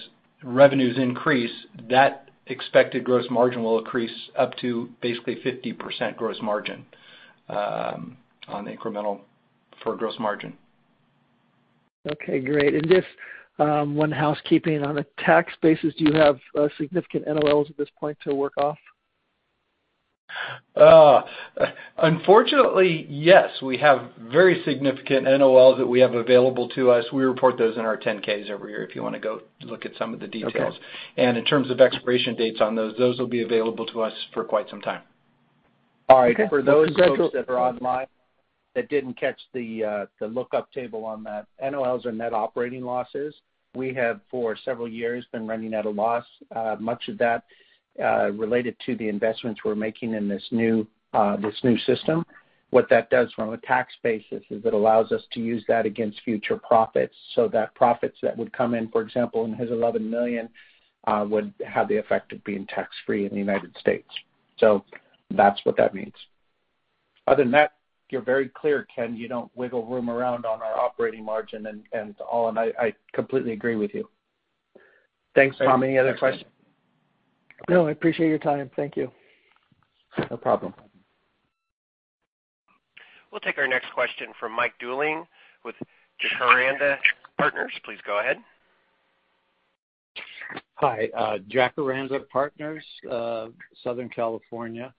[SPEAKER 4] revenues increase, that expected gross margin will increase up to basically 50% gross margin on incremental for gross margin.
[SPEAKER 6] Okay, great. Just one housekeeping. On a tax basis, do you have significant NOLs at this point to work off?
[SPEAKER 4] Unfortunately, yes. We have very significant NOLs that we have available to us. We report those in our 10-Ks every year if you want to go look at some of the details.
[SPEAKER 6] Okay.
[SPEAKER 4] In terms of expiration dates on those will be available to us for quite some time.
[SPEAKER 6] Okay. Well, congratulations.
[SPEAKER 3] All right. For those folks that are online that didn't catch the lookup table on that, NOLs are net operating losses. We have for several years been running at a loss, much of that related to the investments we're making in this new system. What that does from a tax basis is it allows us to use that against future profits so that profits that would come in, for example, in this $11 million, would have the effect of being tax-free in the United States. That's what that means. Other than that, you're very clear, Ken, you don't wiggle room around on our operating margin and all. I completely agree with you. Thanks, Tom. Any other questions?
[SPEAKER 6] No, I appreciate your time. Thank you.
[SPEAKER 3] No problem.
[SPEAKER 1] We'll take our next question from Mike Dooling with Jacaranda Partners. Please go ahead.
[SPEAKER 7] Hi, Jacaranda Partners, Southern California.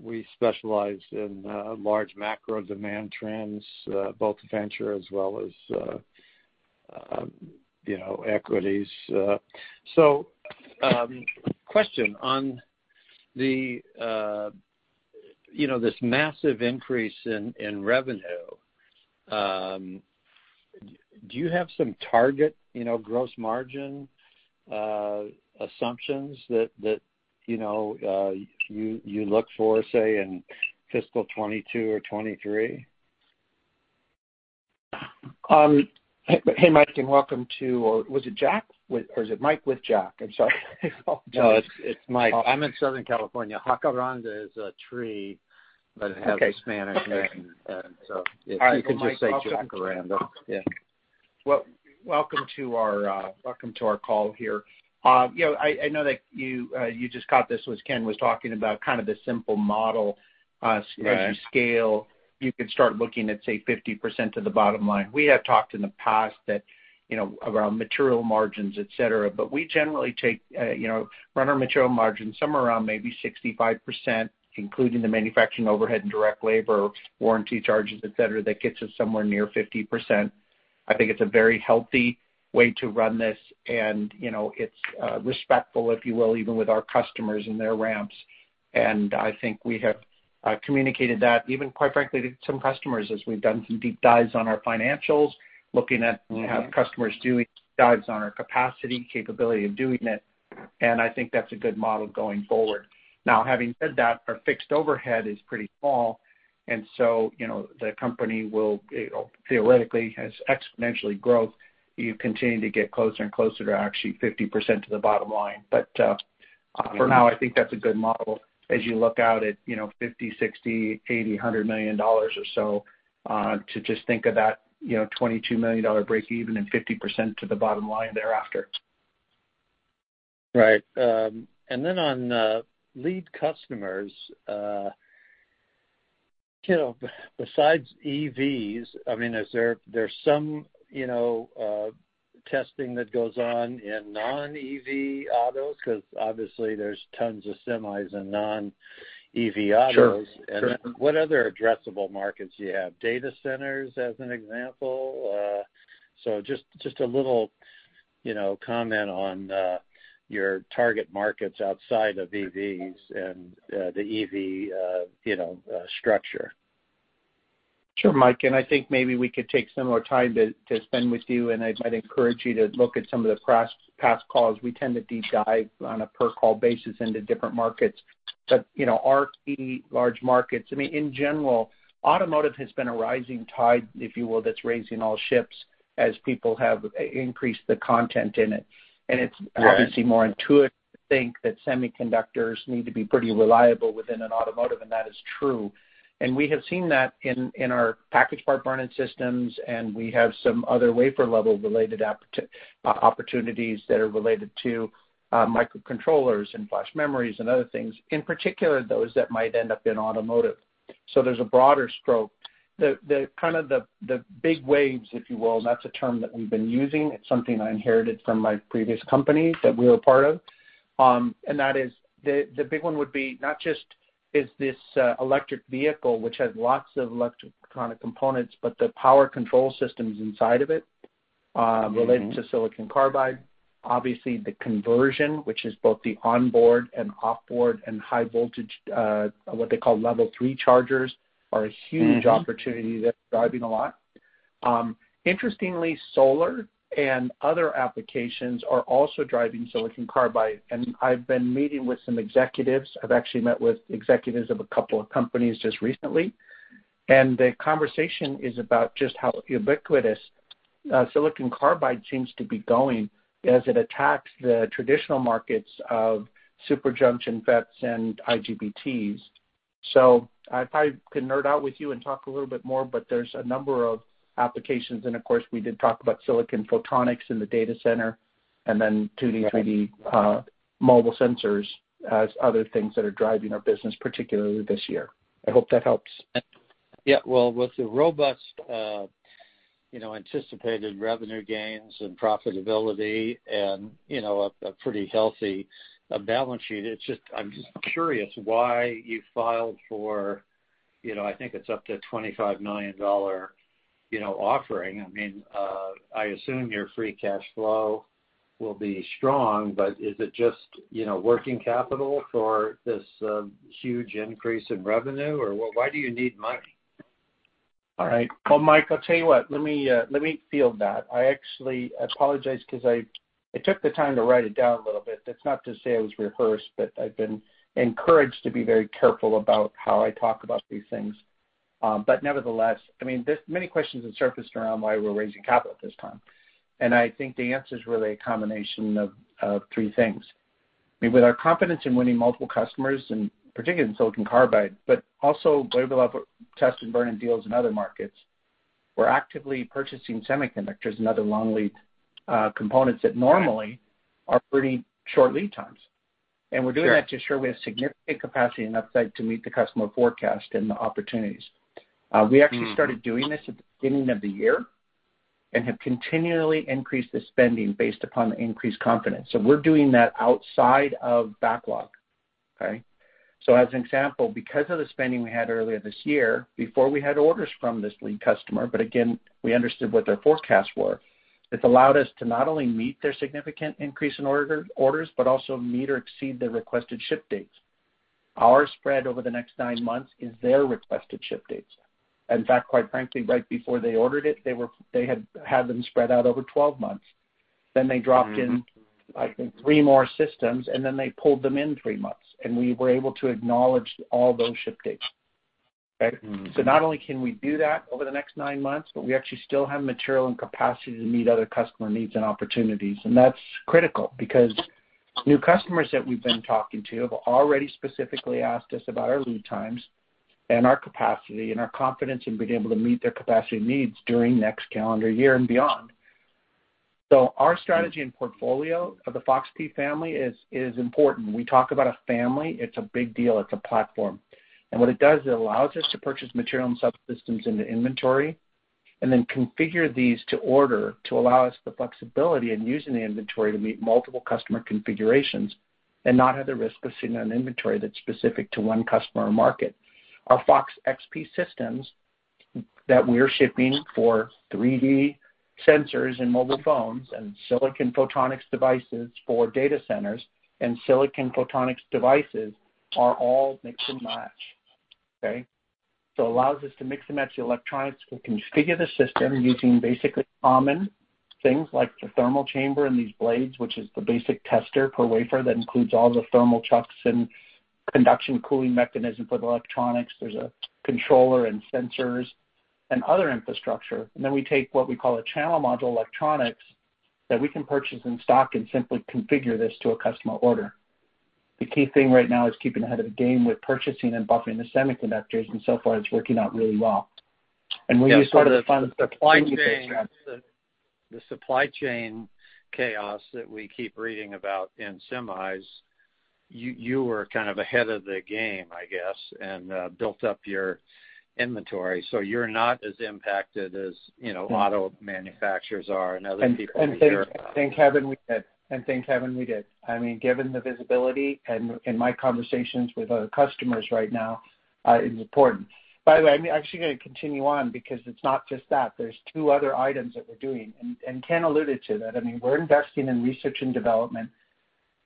[SPEAKER 7] We specialize in large macro demand trends, both venture as well as equities. Question on this massive increase in revenue, do you have some target gross margin assumptions that you look for, say, in fiscal 2022 or 2023?
[SPEAKER 3] Hey, Mike. Was it Jack? Is it Mike with Jack? I'm sorry.
[SPEAKER 7] No, it's Mike. I'm in Southern California. Jacaranda is a tree that has–
[SPEAKER 3] Okay
[SPEAKER 7] Spanish name in it, if you could just say Jacaranda. Yeah.
[SPEAKER 3] Welcome to our call here. I know that you just caught this was Ken was talking about kind of the simple model.
[SPEAKER 7] Right.
[SPEAKER 3] As you scale, you could start looking at, say, 50% to the bottom line. We have talked in the past around material margins, et cetera, but we generally run our material margins somewhere around maybe 65%, including the manufacturing overhead and direct labor, warranty charges, et cetera. That gets us somewhere near 50%. I think it's a very healthy way to run this, and it's respectful, if you will, even with our customers and their ramps. I think we have communicated that even, quite frankly, to some customers as we've done some deep dives on our financials. Looking at customers doing dives on our capacity capability of doing it. I think that's a good model going forward. Now, having said that, our fixed overhead is pretty small. The company theoretically has exponential growth. You continue to get closer and closer to actually 50% to the bottom line.
[SPEAKER 7] Yeah
[SPEAKER 3] For now, I think that's a good model as you look out at $50 million, $60 million, $80 million, $100 million or so, to just think of that $22 million breakeven and 50% to the bottom line thereafter.
[SPEAKER 7] Right. On lead customers, besides EVs, there's some testing that goes on in non-EV autos, because obviously there's tons of semis in non-EV autos.
[SPEAKER 3] Sure.
[SPEAKER 7] What other addressable markets do you have? Data centers, as an example. Just a little comment on your target markets outside of EVs and the EV structure.
[SPEAKER 3] Sure, Mike, and I think maybe we could take some more time to spend with you, and I'd encourage you to look at some of the past calls. We tend to deep dive on a per call basis into different markets. Our key large markets, in general, automotive has been a rising tide, if you will, that's raising all ships as people have increased the content in it.
[SPEAKER 7] Right
[SPEAKER 3] It's obviously more intuitive to think that semiconductors need to be pretty reliable within an automotive, and that is true. We have seen that in our package-part burn-in systems, and we have some other wafer-level related opportunities that are related to microcontrollers and flash memories and other things, in particular, those that might end up in automotive. There's a broader stroke. The big waves, if you will, and that's a term that we've been using, it's something I inherited from my previous company that we were a part of. That is, the big one would be not just is this electric vehicle, which has lots of electronic components, but the power control systems inside of it related to silicon carbide. Obviously, the conversion, which is both the onboard and off-board and high voltage, what they call Level 3 chargers, are huge opportunity that's driving a lot. Interestingly, solar and other applications are also driving silicon carbide, and I've been meeting with some executives. I've actually met with executives of a couple of companies just recently, and the conversation is about just how ubiquitous silicon carbide seems to be going as it attacks the traditional markets of superjunction FETs and IGBTs. I probably could nerd out with you and talk a little bit more, but there's a number of applications, and of course, we did talk about silicon photonics in the data center and then 2D, 3D mobile sensors as other things that are driving our business, particularly this year. I hope that helps.
[SPEAKER 7] Yeah. Well, with the robust anticipated revenue gains and profitability and a pretty healthy balance sheet, I'm just curious why you filed for, I think it's up to $25 million offering. I assume your free cash flow will be strong, but is it just working capital for this huge increase in revenue, or why do you need money?
[SPEAKER 3] All right. Well, Mike, I'll tell you what, let me field that. I actually apologize because I took the time to write it down a little bit. That's not to say I was rehearsed, but I've been encouraged to be very careful about how I talk about these things. Nevertheless, many questions have surfaced around why we're raising capital at this time, and I think the answer is really a combination of three things. With our confidence in winning multiple customers, and particularly in silicon carbide, but also wafer level test and burn-in deals in other markets, we're actively purchasing semiconductors and other long lead components that normally are pretty short lead times.
[SPEAKER 7] Sure.
[SPEAKER 3] We're doing that to ensure we have significant capacity and upside to meet the customer forecast and the opportunities. We actually started doing this at the beginning of the year and have continually increased the spending based upon the increased confidence. We're doing that outside of backlog. Okay? As an example, because of the spending we had earlier this year, before we had orders from this lead customer, but again, we understood what their forecasts were, it's allowed us to not only meet their significant increase in orders but also meet or exceed the requested ship dates. Our spread over the next nine months is their requested ship dates. In fact, quite frankly, right before they ordered it, they had had them spread out over 12 months. Then they dropped in I think, three more systems, and then they pulled them in three months, and we were able to acknowledge all those ship dates. Okay? Not only can we do that over the next nine months, but we actually still have material and capacity to meet other customer needs and opportunities. That's critical, because new customers that we've been talking to have already specifically asked us about our lead times and our capacity and our confidence in being able to meet their capacity needs during next calendar year and beyond.
[SPEAKER 7] Yeah
[SPEAKER 3] So our strategy and portfolio of the FOX-P family is important. We talk about a family, it's a big deal. It's a platform. What it does, it allows us to purchase material and subsystems into inventory and then configure these to order to allow us the flexibility in using the inventory to meet multiple customer configurations. Not have the risk of sitting on inventory that's specific to one customer or market. Our FOX-XP systems that we are shipping for 3D sensors in mobile phones and silicon photonics devices for data centers and silicon photonics devices are all mix and match. Okay. Allows us to mix and match the electronics. We configure the system using basically common things like the thermal chamber and these blades, which is the basic tester per wafer that includes all the thermal chucks and conduction cooling mechanism for the electronics. There's a controller and sensors and other infrastructure. Then we take what we call a Channel Module electronics that we can purchase in stock and simply configure this to a customer order. The key thing right now is keeping ahead of the game with purchasing and buffering the semiconductors, and so far, it's working out really well. We use sort of the funds–
[SPEAKER 7] Yeah. The supply chain chaos that we keep reading about in semis, you were kind of ahead of the game, I guess, and built up your inventory. You're not as impacted as auto manufacturers are and other people we hear about.
[SPEAKER 3] Thank heaven we did. I mean, given the visibility and my conversations with our customers right now, it's important. By the way, I'm actually going to continue on because it's not just that. There's two other items that we're doing, and Ken alluded to that. I mean, we're investing in research and development,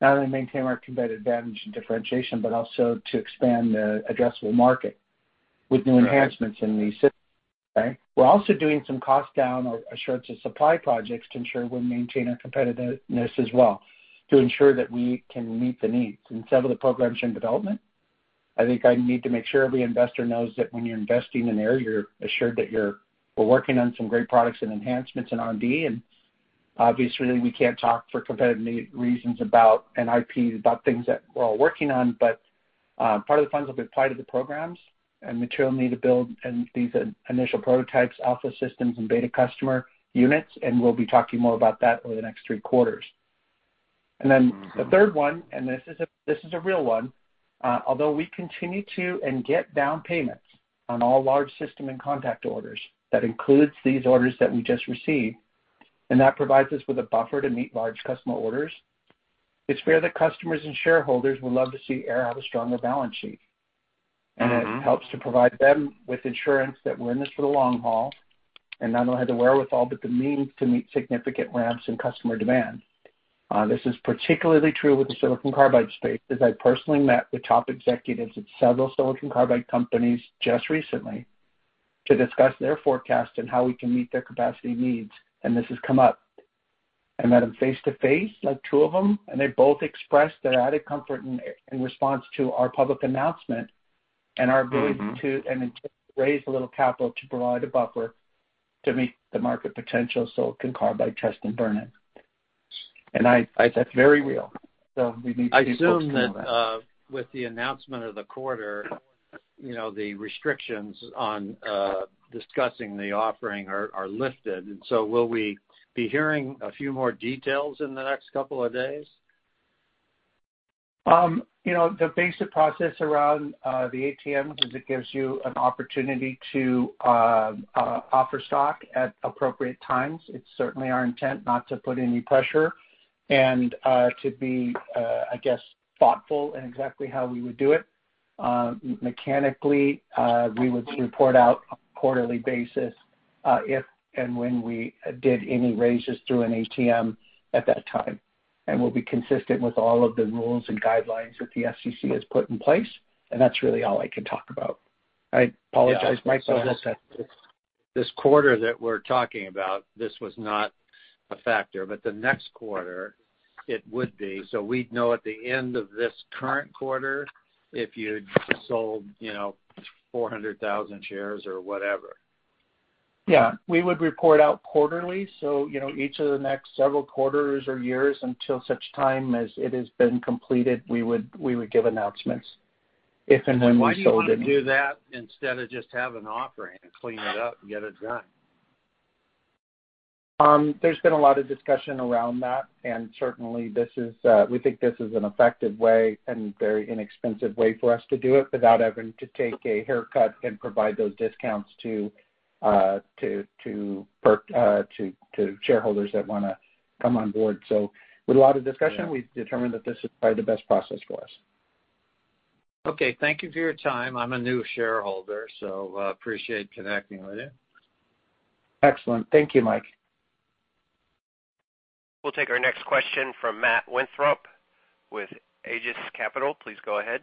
[SPEAKER 3] not only to maintain our competitive advantage and differentiation, but also to expand the addressable market with new enhancements in these systems. Okay. We're also doing some cost-down or assurance of supply projects to ensure we maintain our competitiveness as well, to ensure that we can meet the needs. Some of the programs in development, I think I need to make sure every investor knows that when you're investing in Aehr, you're assured that we're working on some great products and enhancements in R&D, and obviously, we can't talk for competitive reasons about an IP, about things that we're all working on. Part of the funds will be applied to the programs and material needed to build these initial prototypes, alpha systems, and beta customer units, and we'll be talking more about that over the next three quarters. The third one, this is a real one, although we continue to get down payments on all large system and contact orders, that includes these orders that we just received, and that provides us with a buffer to meet large customer orders. It's fair that customers and shareholders would love to see Aehr have a stronger balance sheet. It helps to provide them with insurance that we're in this for the long haul and not only have the wherewithal, but the means to meet significant ramps in customer demand. This is particularly true with the silicon carbide space, as I personally met with top executives at several silicon carbide companies just recently to discuss their forecast and how we can meet their capacity needs, and this has come up. I met them face-to-face, like two of them, and they both expressed their added comfort in response to our public announcement and our ability to raise a little capital to provide a buffer to meet the market potential silicon carbide test and burn-in. That's very real. We need to be forthcoming on that.
[SPEAKER 7] I assume that with the announcement of the quarter, the restrictions on discussing the offering are lifted. Will we be hearing a few more details in the next couple of days?
[SPEAKER 3] The basic process around the ATM is it gives you an opportunity to offer stock at appropriate times. It's certainly our intent not to put any pressure and to be, I guess, thoughtful in exactly how we would do it. Mechanically, we would report out on a quarterly basis if and when we did any raises through an ATM at that time. We'll be consistent with all of the rules and guidelines that the SEC has put in place, and that's really all I can talk about. I apologize, Mike.
[SPEAKER 7] Yeah. I guess that this quarter that we're talking about, this was not a factor, but the next quarter it would be. We'd know at the end of this current quarter if you'd sold 400,000 shares or whatever.
[SPEAKER 3] Yeah. We would report out quarterly. Each of the next several quarters or years, until such time as it has been completed, we would give announcements if and when we sold any.
[SPEAKER 7] Why do you want to do that instead of just have an offering and clean it up and get it done?
[SPEAKER 3] There's been a lot of discussion around that, and certainly, we think this is an effective way and very inexpensive way for us to do it without having to take a haircut and provide those discounts to shareholders that want to come on board. With a lot of discussion and we've determined that this is probably the best process for us.
[SPEAKER 7] Okay. Thank you for your time. I'm a new shareholder, so appreciate connecting with you.
[SPEAKER 3] Excellent. Thank you, Mike.
[SPEAKER 1] We'll take our next question from Matt Winthrop with Aegis Capital. Please go ahead.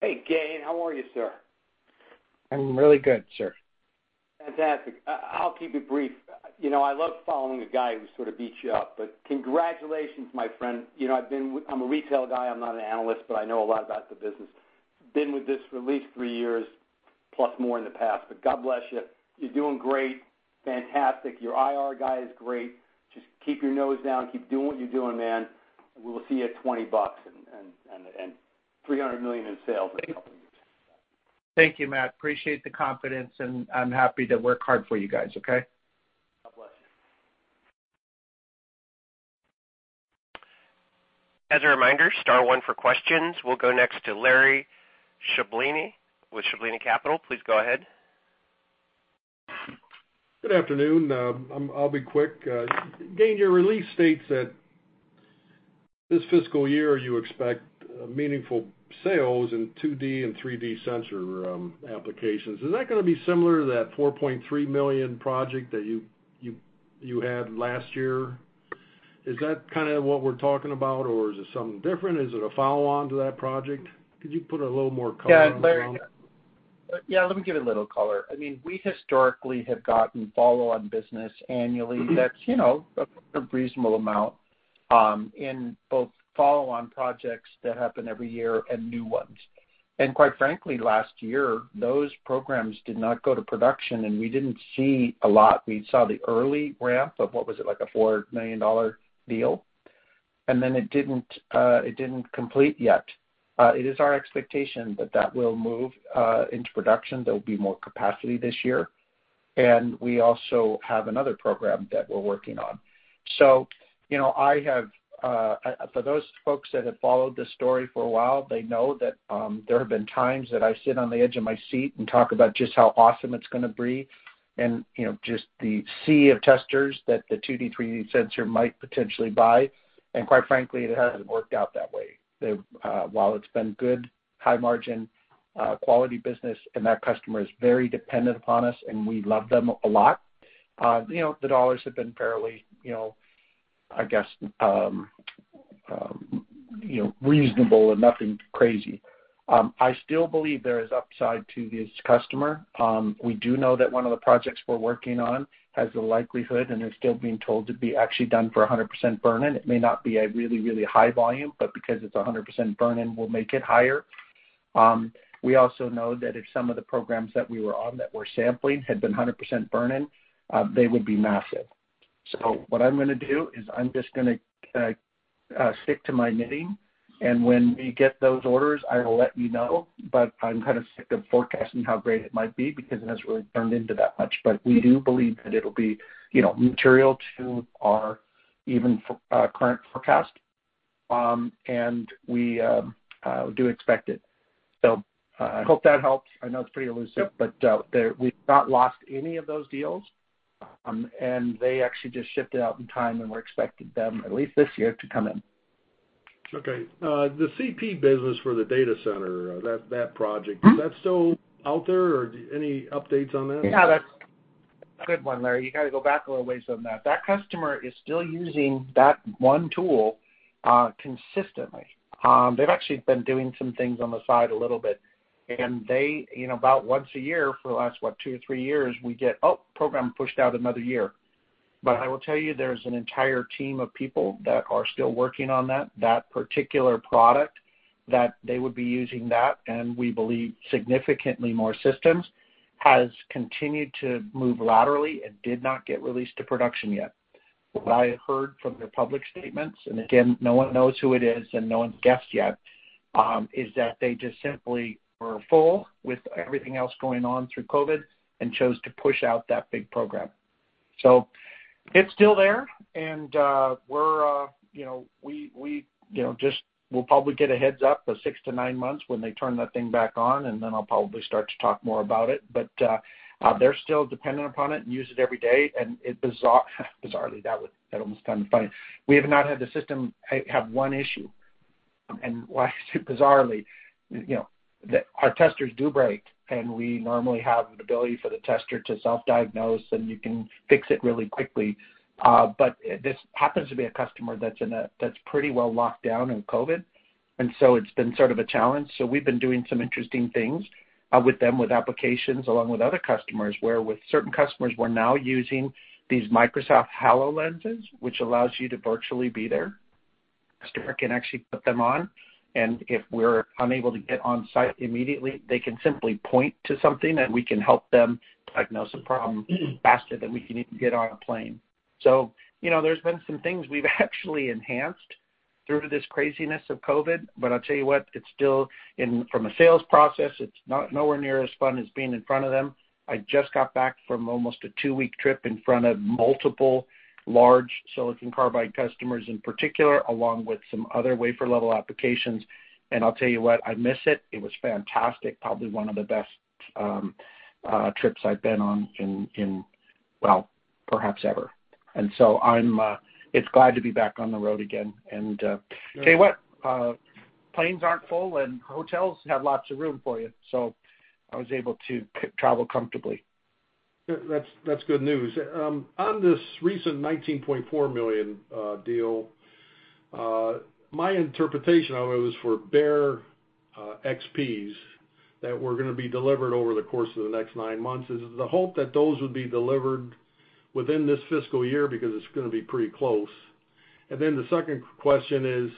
[SPEAKER 8] Hey, Gayn. How are you, sir?
[SPEAKER 3] I'm really good, sir.
[SPEAKER 8] Fantastic. I will keep it brief. I love following a guy who sort of beats you up, but congratulations, my friend. I am a retail guy. I am not an analyst, but I know a lot about the business. Been with this for at least three years, plus more in the past, but God bless you. You are doing great. Fantastic. Your IR guy is great. Just keep your nose down, keep doing what you are doing, man. We will see you at $20 and $300 million in sales in a couple years.
[SPEAKER 3] Thank you, Matt. Appreciate the confidence, and I'm happy to work hard for you guys. Okay?
[SPEAKER 8] God bless you.
[SPEAKER 1] As a reminder, star one for questions. We'll go next to Larry Chlebina with Chlebina Capital. Please go ahead.
[SPEAKER 9] Good afternoon. I'll be quick. Gayn, your release states that this fiscal year you expect meaningful sales in 2D and 3D sensor applications. Is that going to be similar to that $4.3 million project that you had last year? Is that kind of what we're talking about or is it something different? Is it a follow-on to that project? Could you put a little more color around that?
[SPEAKER 3] Yeah, let me give it a little color. We historically have gotten follow-on business annually that's a reasonable amount in both follow-on projects that happen every year and new ones. Quite frankly, last year, those programs did not go to production, and we didn't see a lot. We saw the early ramp of, what was it, like a $4 million deal, and then it didn't complete yet. It is our expectation that that will move into production. There'll be more capacity this year, we also have another program that we're working on. For those folks that have followed this story for a while, they know that there have been times that I sit on the edge of my seat and talk about just how awesome it's going to be and just the sea of testers that the 2D/3D sensor might potentially buy, and quite frankly, it hasn't worked out that way. While it's been good, high margin, quality business, and that customer is very dependent upon us and we love them a lot, the dollars have been fairly, I guess reasonable and nothing crazy. I still believe there is upside to this customer. We do know that one of the projects we're working on has the likelihood, and they're still being told to be actually done for 100% burn-in. It may not be a really high volume, but because it's 100% burn-in, we'll make it higher. We also know that if some of the programs that we were on that were sampling had been 100% burn-in, they would be massive. What I'm going to do is I'm just going to stick to my knitting, and when we get those orders, I will let you know, but I'm kind of sick of forecasting how great it might be because it hasn't really turned into that much. We do believe that it'll be material to our even current forecast. We do expect it. I hope that helps. I know it's pretty elusive.
[SPEAKER 9] Yep.
[SPEAKER 3] We've not lost any of those deals, and they actually just shifted out in time, and we're expecting them, at least this year, to come in.
[SPEAKER 9] Okay. The FOX-CP business for the data center, is that still out there or any updates on that?
[SPEAKER 3] Yeah, that's a good one, Larry. You got to go back a little ways on that. That customer is still using that one tool consistently. They've actually been doing some things on the side a little bit, and they, about once a year for the last, what, two or three years, we get program pushed out another year. I will tell you, there's an entire team of people that are still working on that particular product that they would be using that, and we believe significantly more systems has continued to move laterally and did not get released to production yet. What I have heard from their public statements, and again, no one knows who it is and no one's guessed yet, is that they just simply were full with everything else going on through COVID and chose to push out that big program. It's still there, and we'll probably get a heads-up for six to nine months when they turn that thing back on, and then I'll probably start to talk more about it. They're still dependent upon it and use it every day, and it bizarrely, that almost sounded funny. We have not had the system have one issue, and why I say bizarrely, our testers do break, and we normally have an ability for the tester to self-diagnose, and you can fix it really quickly. This happens to be a customer that's pretty well locked down in COVID, and so it's been sort of a challenge. We've been doing some interesting things with them with applications, along with other customers, where with certain customers, we're now using these Microsoft HoloLens, which allows you to virtually be there. Customer can actually put them on, and if we're unable to get on-site immediately, they can simply point to something, and we can help them diagnose a problem faster than we can even get on a plane. There's been some things we've actually enhanced through this craziness of COVID, but I'll tell you what, it's still, from a sales process, it's nowhere near as fun as being in front of them. I just got back from almost a two-week trip in front of multiple large silicon carbide customers in particular, along with some other wafer level applications. I'll tell you what, I miss it. It was fantastic. Probably one of the best trips I've been on in, well, perhaps ever. It's glad to be back on the road again. Tell you what, planes aren't full, and hotels have lots of room for you, so I was able to travel comfortably.
[SPEAKER 9] That's good news. On this recent $19.4 million deal, my interpretation of it was for bare XPs that were going to be delivered over the course of the next nine months. Is the hope that those would be delivered within this fiscal year because it's going to be pretty close? The second question is,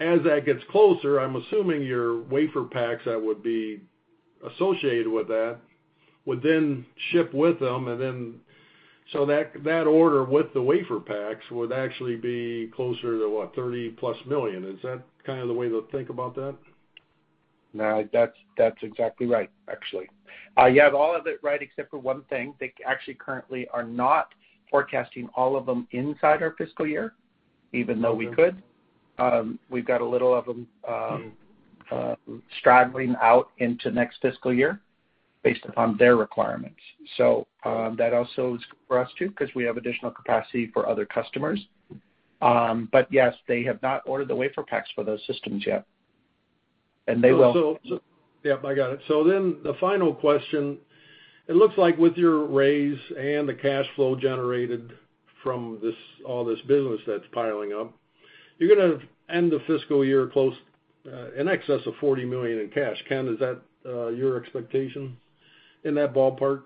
[SPEAKER 9] as that gets closer, I'm assuming your WaferPaks that would be associated with that would then ship with them, and then so that order with the WaferPaks would actually be closer to what? $30+ million. Is that kind of the way to think about that?
[SPEAKER 3] No, that's exactly right, actually. You have all of it right except for one thing. They actually currently are not forecasting all of them inside our fiscal year, even though we could. We've got a little of them straggling out into next fiscal year based upon their requirements. That also is good for us too, because we have additional capacity for other customers. Yes, they have not ordered the WaferPaks for those systems yet. They will.
[SPEAKER 9] Yeah, I got it. The final question, it looks like with your raise and the cash flow generated from all this business that's piling up, you're going to end the fiscal year close in excess of $40 million in cash. Ken, is that your expectation, in that ballpark,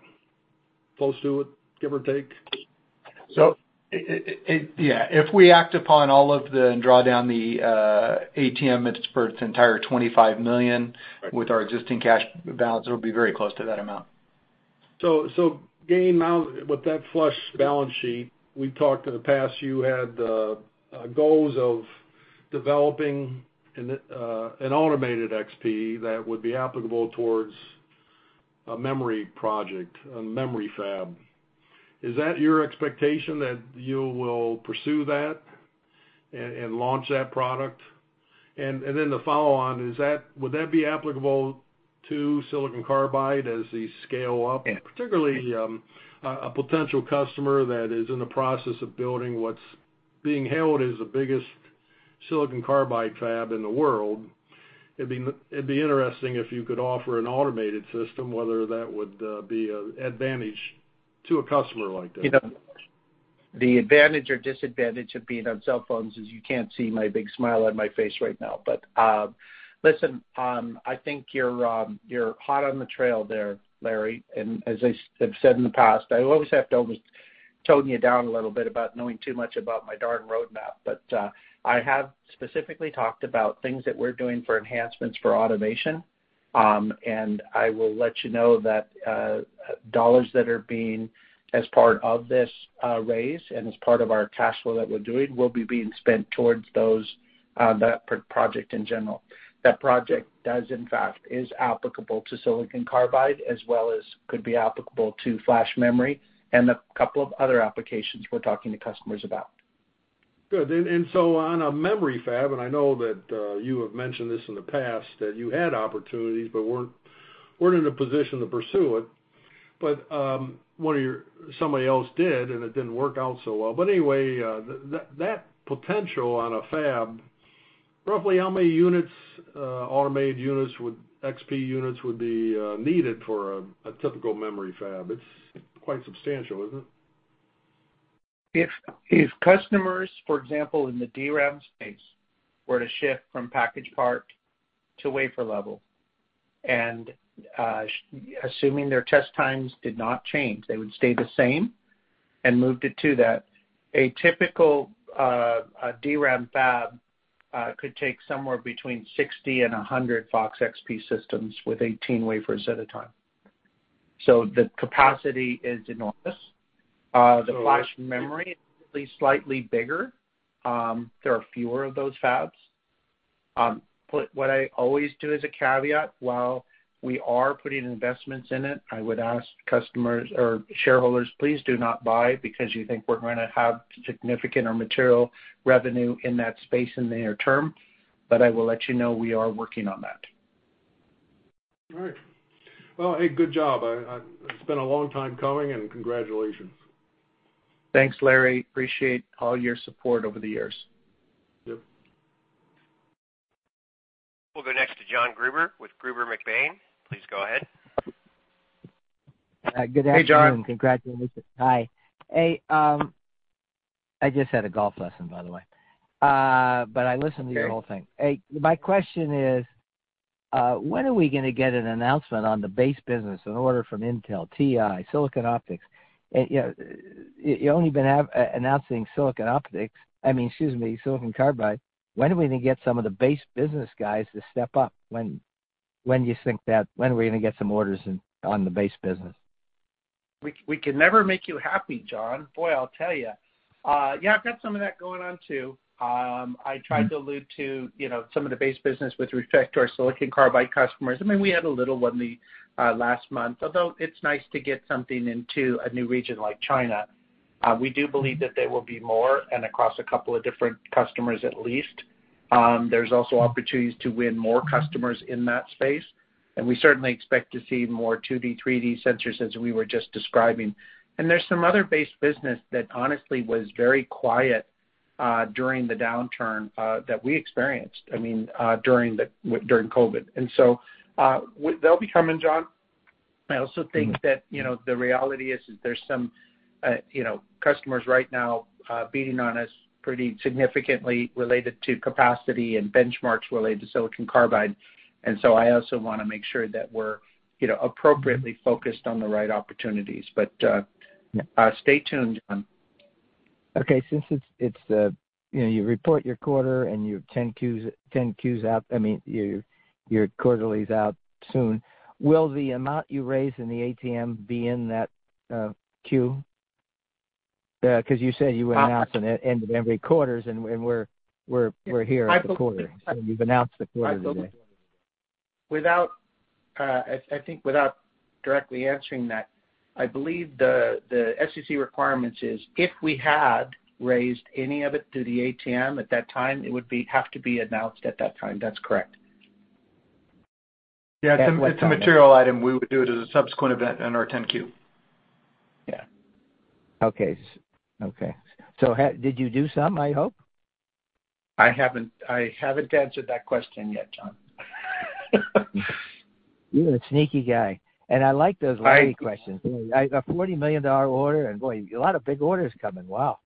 [SPEAKER 9] close to it, give or take?
[SPEAKER 4] Yeah. If we act upon all of the drawdown the ATM for its entire $25 million.
[SPEAKER 9] Right
[SPEAKER 4] With our existing cash balance, it'll be very close to that amount.
[SPEAKER 9] Gayn, now with that flush balance sheet, we've talked in the past, you had the goals of developing an automated XP that would be applicable towards a memory project, a memory fab. Is that your expectation that you will pursue that and launch that product? The follow-on, would that be applicable to silicon carbide as they scale up?
[SPEAKER 3] Yeah.
[SPEAKER 9] Particularly, a potential customer that is in the process of building what's being hailed as the biggest silicon carbide fab in the world. It'd be interesting if you could offer an automated system, whether that would be an advantage to a customer like that.
[SPEAKER 3] The advantage or disadvantage of being on cell phones is you can't see my big smile on my face right now. Listen, I think you're hot on the trail there, Larry. As I have said in the past, I always have to almost tone you down a little bit about knowing too much about my darn roadmap. I have specifically talked about things that we're doing for enhancements for automation. I will let you know that dollars that are being, as part of this raise and as part of our cash flow that we're doing, will be being spent towards that project in general. That project does, in fact, is applicable to silicon carbide as well as could be applicable to flash memory and a couple of other applications we're talking to customers about.
[SPEAKER 9] Good. On a memory fab, and I know that you have mentioned this in the past, that you had opportunities but weren't in a position to pursue it. Somebody else did, and it didn't work out so well. That potential on a fab, roughly how many automated XP units would be needed for a typical memory fab? It's quite substantial, isn't it?
[SPEAKER 3] If customers, for example, in the DRAM space, were to shift from package-part to wafer-level, and assuming their test times did not change, they would stay the same and moved it to that, a typical DRAM fab could take somewhere between 60 and 100 FOX-XP systems with 18 wafers at a time. So the capacity is enormous.
[SPEAKER 9] So-
[SPEAKER 3] The flash memory is slightly bigger. There are fewer of those fabs. What I always do as a caveat, while we are putting investments in it, I would ask shareholders, please do not buy because you think we're going to have significant or material revenue in that space in the near term. I will let you know, we are working on that.
[SPEAKER 9] All right. Well, hey, good job. It's been a long time coming, and congratulations.
[SPEAKER 3] Thanks, Larry. I appreciate all your support over the years.
[SPEAKER 9] Yep.
[SPEAKER 1] We'll go next to Jon Gruber with Gruber McBaine. Please go ahead.
[SPEAKER 3] Hey, Jon. Good afternoon. Congratulations.
[SPEAKER 10] Hi. I just had a golf lesson, by the way. I listened to your whole thing.
[SPEAKER 3] Okay.
[SPEAKER 10] My question is, when are we going to get an announcement on the base business, an order from Intel, TI, Silicon Optix? You've only been announcing silicon carbide. When are we going to get some of the base business guys to step up? When are we going to get some orders in on the base business?
[SPEAKER 3] We can never make you happy, Jon. Boy, I'll tell you. Yeah, I've got some of that going on, too. I tried to allude to some of the base business with respect to our silicon carbide customers. I mean, we had a little one last month, although it's nice to get something into a new region like China. We do believe that there will be more and across a couple of different customers at least. There's also opportunities to win more customers in that space, and we certainly expect to see more 2D, 3D sensors as we were just describing. There's some other base business that honestly was very quiet during the downturn that we experienced during COVID. They'll be coming, Jon. I also think that the reality is there's some customers right now beating on us pretty significantly related to capacity and benchmarks related to silicon carbide. I also want to make sure that we're appropriately focused on the right opportunities. Stay tuned, Jon.
[SPEAKER 10] Okay. Since you report your quarter and your 10-Qs out, I mean, your quarterly's out soon. Will the amount you raised in the ATM be in that Q? You said you would announce it at the end of every quarter, and we're here at the quarter.
[SPEAKER 3] I believe-
[SPEAKER 10] You've announced the quarter today.
[SPEAKER 3] I think without directly answering that, I believe the SEC requirements is, if we had raised any of it through the ATM at that time, it would have to be announced at that time. That's correct.
[SPEAKER 10] At what time?
[SPEAKER 3] Yeah. If it's a material item, we would do it as a subsequent event in our 10-Q.
[SPEAKER 10] Yeah. Okay. Did you do some, I hope?
[SPEAKER 3] I haven't answered that question yet, Jon.
[SPEAKER 10] You're a sneaky guy, and I like those windy questions.
[SPEAKER 3] I-
[SPEAKER 10] A $40 million order, and boy, a lot of big orders coming. Wow.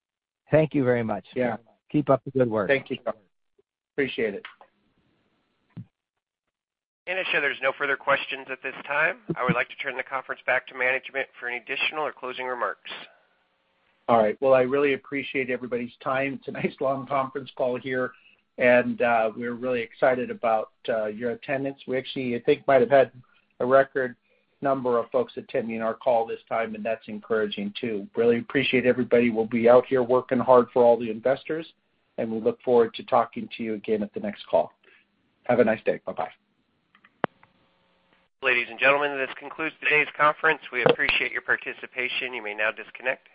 [SPEAKER 10] Thank you very much.
[SPEAKER 3] Yeah.
[SPEAKER 10] Keep up the good work.
[SPEAKER 3] Thank you, Jon. Appreciate it.
[SPEAKER 2] And since there's no further questions at this time. I would like to turn the conference back to management for any additional or closing remarks.
[SPEAKER 3] All right. Well, I really appreciate everybody's time. It's a nice long conference call here. We're really excited about your attendance. We actually, I think, might have had a record number of folks attending our call this time. That's encouraging, too. Really appreciate everybody. We'll be out here working hard for all the investors. We look forward to talking to you again at the next call. Have a nice day. Bye-bye.
[SPEAKER 1] Ladies and gentlemen, this concludes today's conference. We appreciate your participation. You may now disconnect.